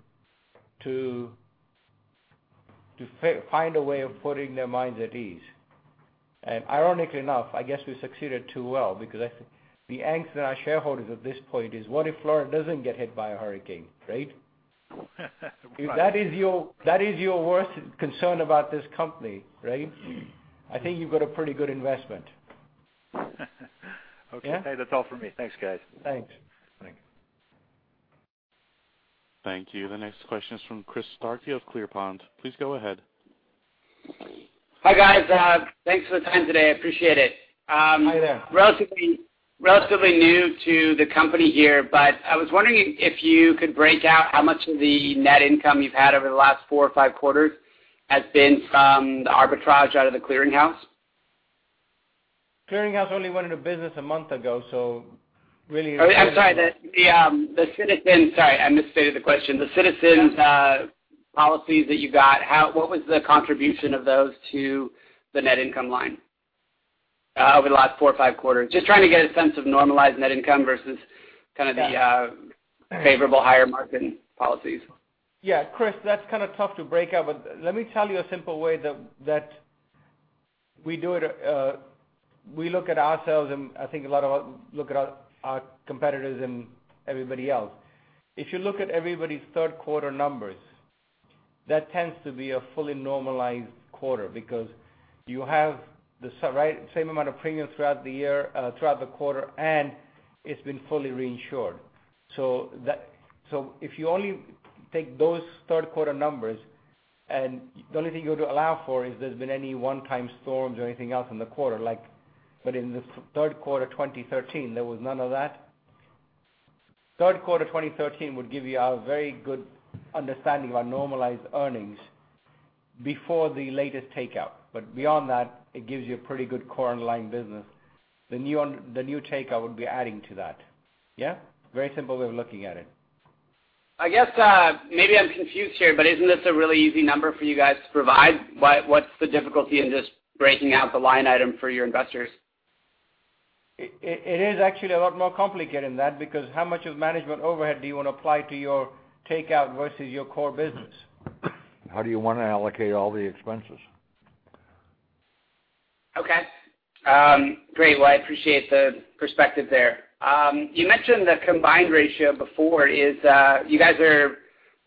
to find a way of putting their minds at ease. Ironically enough, I guess we succeeded too well because the angst in our shareholders at this point is, "What if Florida doesn't get hit by a hurricane?" Right? Right. If that is your worst concern about this company, right, I think you've got a pretty good investment. Okay. Yeah. That's all for me. Thanks, guys. Thanks. Thanks. Thank you. The next question is from Chris Starkey of Clear Pond. Please go ahead. Hi, guys. Thanks for the time today. I appreciate it. Hi there. I was wondering if you could break out how much of the net income you've had over the last four or five quarters has been from the arbitrage out of the clearinghouse? Clearinghouse only went into business a month ago, really. Oh, yeah, I'm sorry. The Citizens, sorry, I misstated the question. The Citizens policies that you got, what was the contribution of those to the net income line? Over the last four or five quarters. Just trying to get a sense of normalized net income versus the favorable higher marketing policies. Yeah, Chris, that's kind of tough to break out. Let me tell you a simple way that we do it. We look at ourselves, I think a lot of us look at our competitors and everybody else. If you look at everybody's third quarter numbers, that tends to be a fully normalized quarter because you have the same amount of premium throughout the quarter, and it's been fully reinsured. If you only take those third quarter numbers, the only thing you have to allow for is if there's been any one-time storms or anything else in the quarter. In the third quarter 2013, there was none of that. Third quarter 2013 would give you a very good understanding of our normalized earnings before the latest takeout. Beyond that, it gives you a pretty good core underlying business. The new takeout would be adding to that. Yeah? Very simple way of looking at it. I guess maybe I'm confused here, isn't this a really easy number for you guys to provide? What's the difficulty in just breaking out the line item for your investors? It is actually a lot more complicated than that because how much of management overhead do you want to apply to your takeout versus your core business? How do you want to allocate all the expenses? Okay. Great. Well, I appreciate the perspective there. You mentioned the combined ratio before. I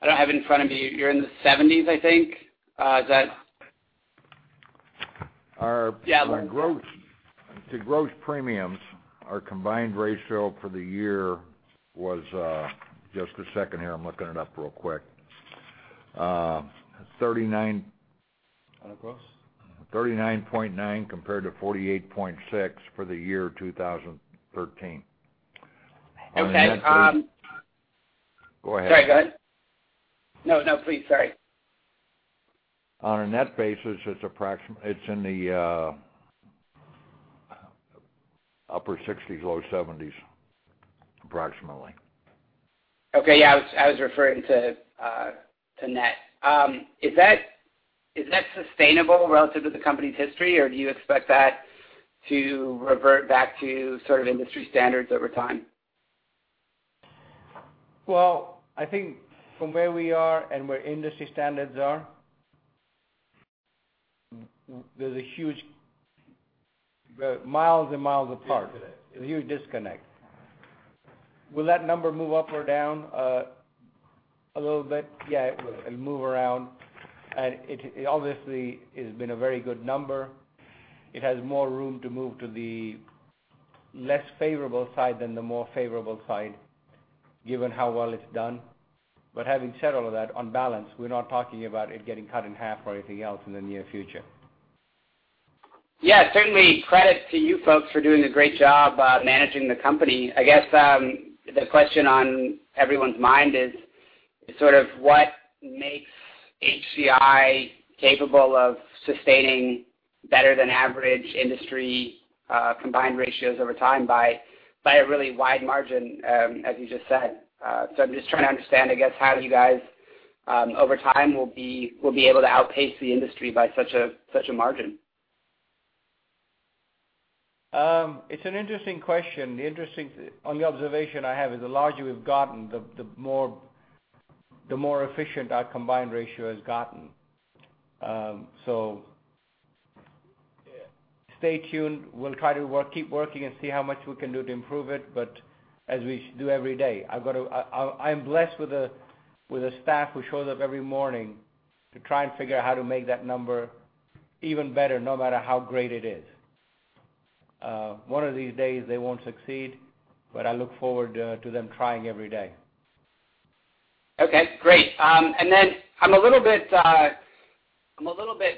don't have it in front of me, you're in the 70s, I think. Is that. Our- Yeah. To gross premiums, our combined ratio for the year was, just a second here, I'm looking it up real quick. Allen 39.9 compared to 48.6 for the year 2013. Okay. Go ahead. Sorry, go ahead. No, please. Sorry. On a net basis, it's in the upper 60s, low 70s, approximately. Okay. Yeah, I was referring to net. Is that sustainable relative to the company's history, or do you expect that to revert back to industry standards over time? Well, I think from where we are and where industry standards are, they're miles and miles apart. A huge disconnect. Will that number move up or down a little bit? Yeah, it will. It'll move around. It obviously has been a very good number. It has more room to move to the less favorable side than the more favorable side, given how well it's done. Having said all of that, on balance, we're not talking about it getting cut in half or anything else in the near future. Yeah, certainly credit to you folks for doing a great job managing the company. I guess the question on everyone's mind is what makes HCI capable of sustaining better than average industry combined ratios over time by a really wide margin, as you just said. I'm just trying to understand, I guess, how you guys over time will be able to outpace the industry by such a margin. It's an interesting question. The interesting observation I have is the larger we've gotten, the more efficient our combined ratio has gotten. Stay tuned. We'll try to keep working and see how much we can do to improve it, but as we do every day. I'm blessed with a staff who shows up every morning to try and figure out how to make that number even better, no matter how great it is. One of these days they won't succeed, but I look forward to them trying every day. Okay, great. I'm a little bit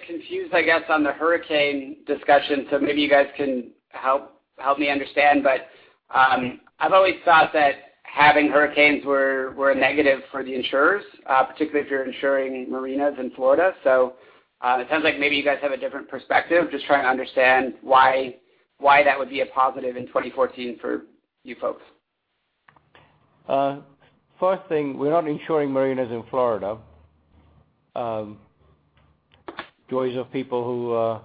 confused, I guess, on the hurricane discussion, maybe you guys can help me understand. I've always thought that having hurricanes were a negative for the insurers, particularly if you're insuring marinas in Florida. It sounds like maybe you guys have a different perspective. Just trying to understand why that would be a positive in 2014 for you folks. First thing, we're not insuring marinas in Florida. Just for people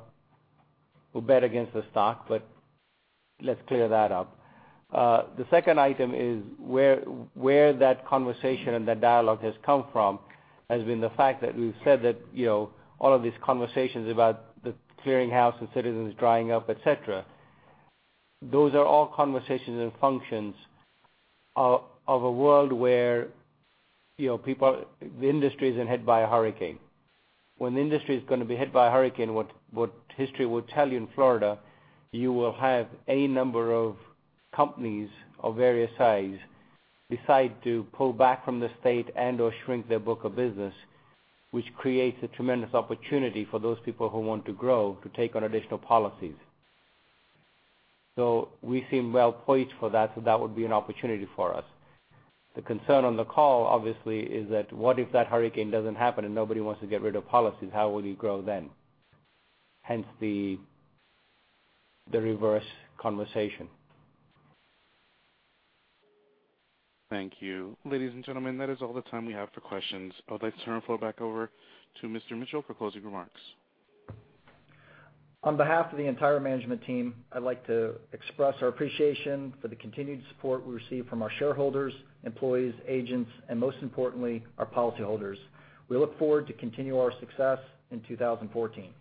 who bet against the stock, let's clear that up. The second item is where that conversation and that dialogue has come from, has been the fact that we've said that all of these conversations about the clearinghouse and Citizens drying up, et cetera, those are all conversations and functions of a world where the industry isn't hit by a hurricane. When the industry is going to be hit by a hurricane, what history will tell you in Florida, you will have a number of companies of various size decide to pull back from the state and/or shrink their book of business, which creates a tremendous opportunity for those people who want to grow to take on additional policies. We seem well poised for that, so that would be an opportunity for us. The concern on the call obviously is that what if that hurricane doesn't happen and nobody wants to get rid of policies, how will you grow then? Hence the reverse conversation. Thank you. Ladies and gentlemen, that is all the time we have for questions. I'd like to turn the floor back over to Mr. Mitchell for closing remarks. On behalf of the entire management team, I'd like to express our appreciation for the continued support we receive from our shareholders, employees, agents, and most importantly, our policyholders. We look forward to continuing our success in 2014.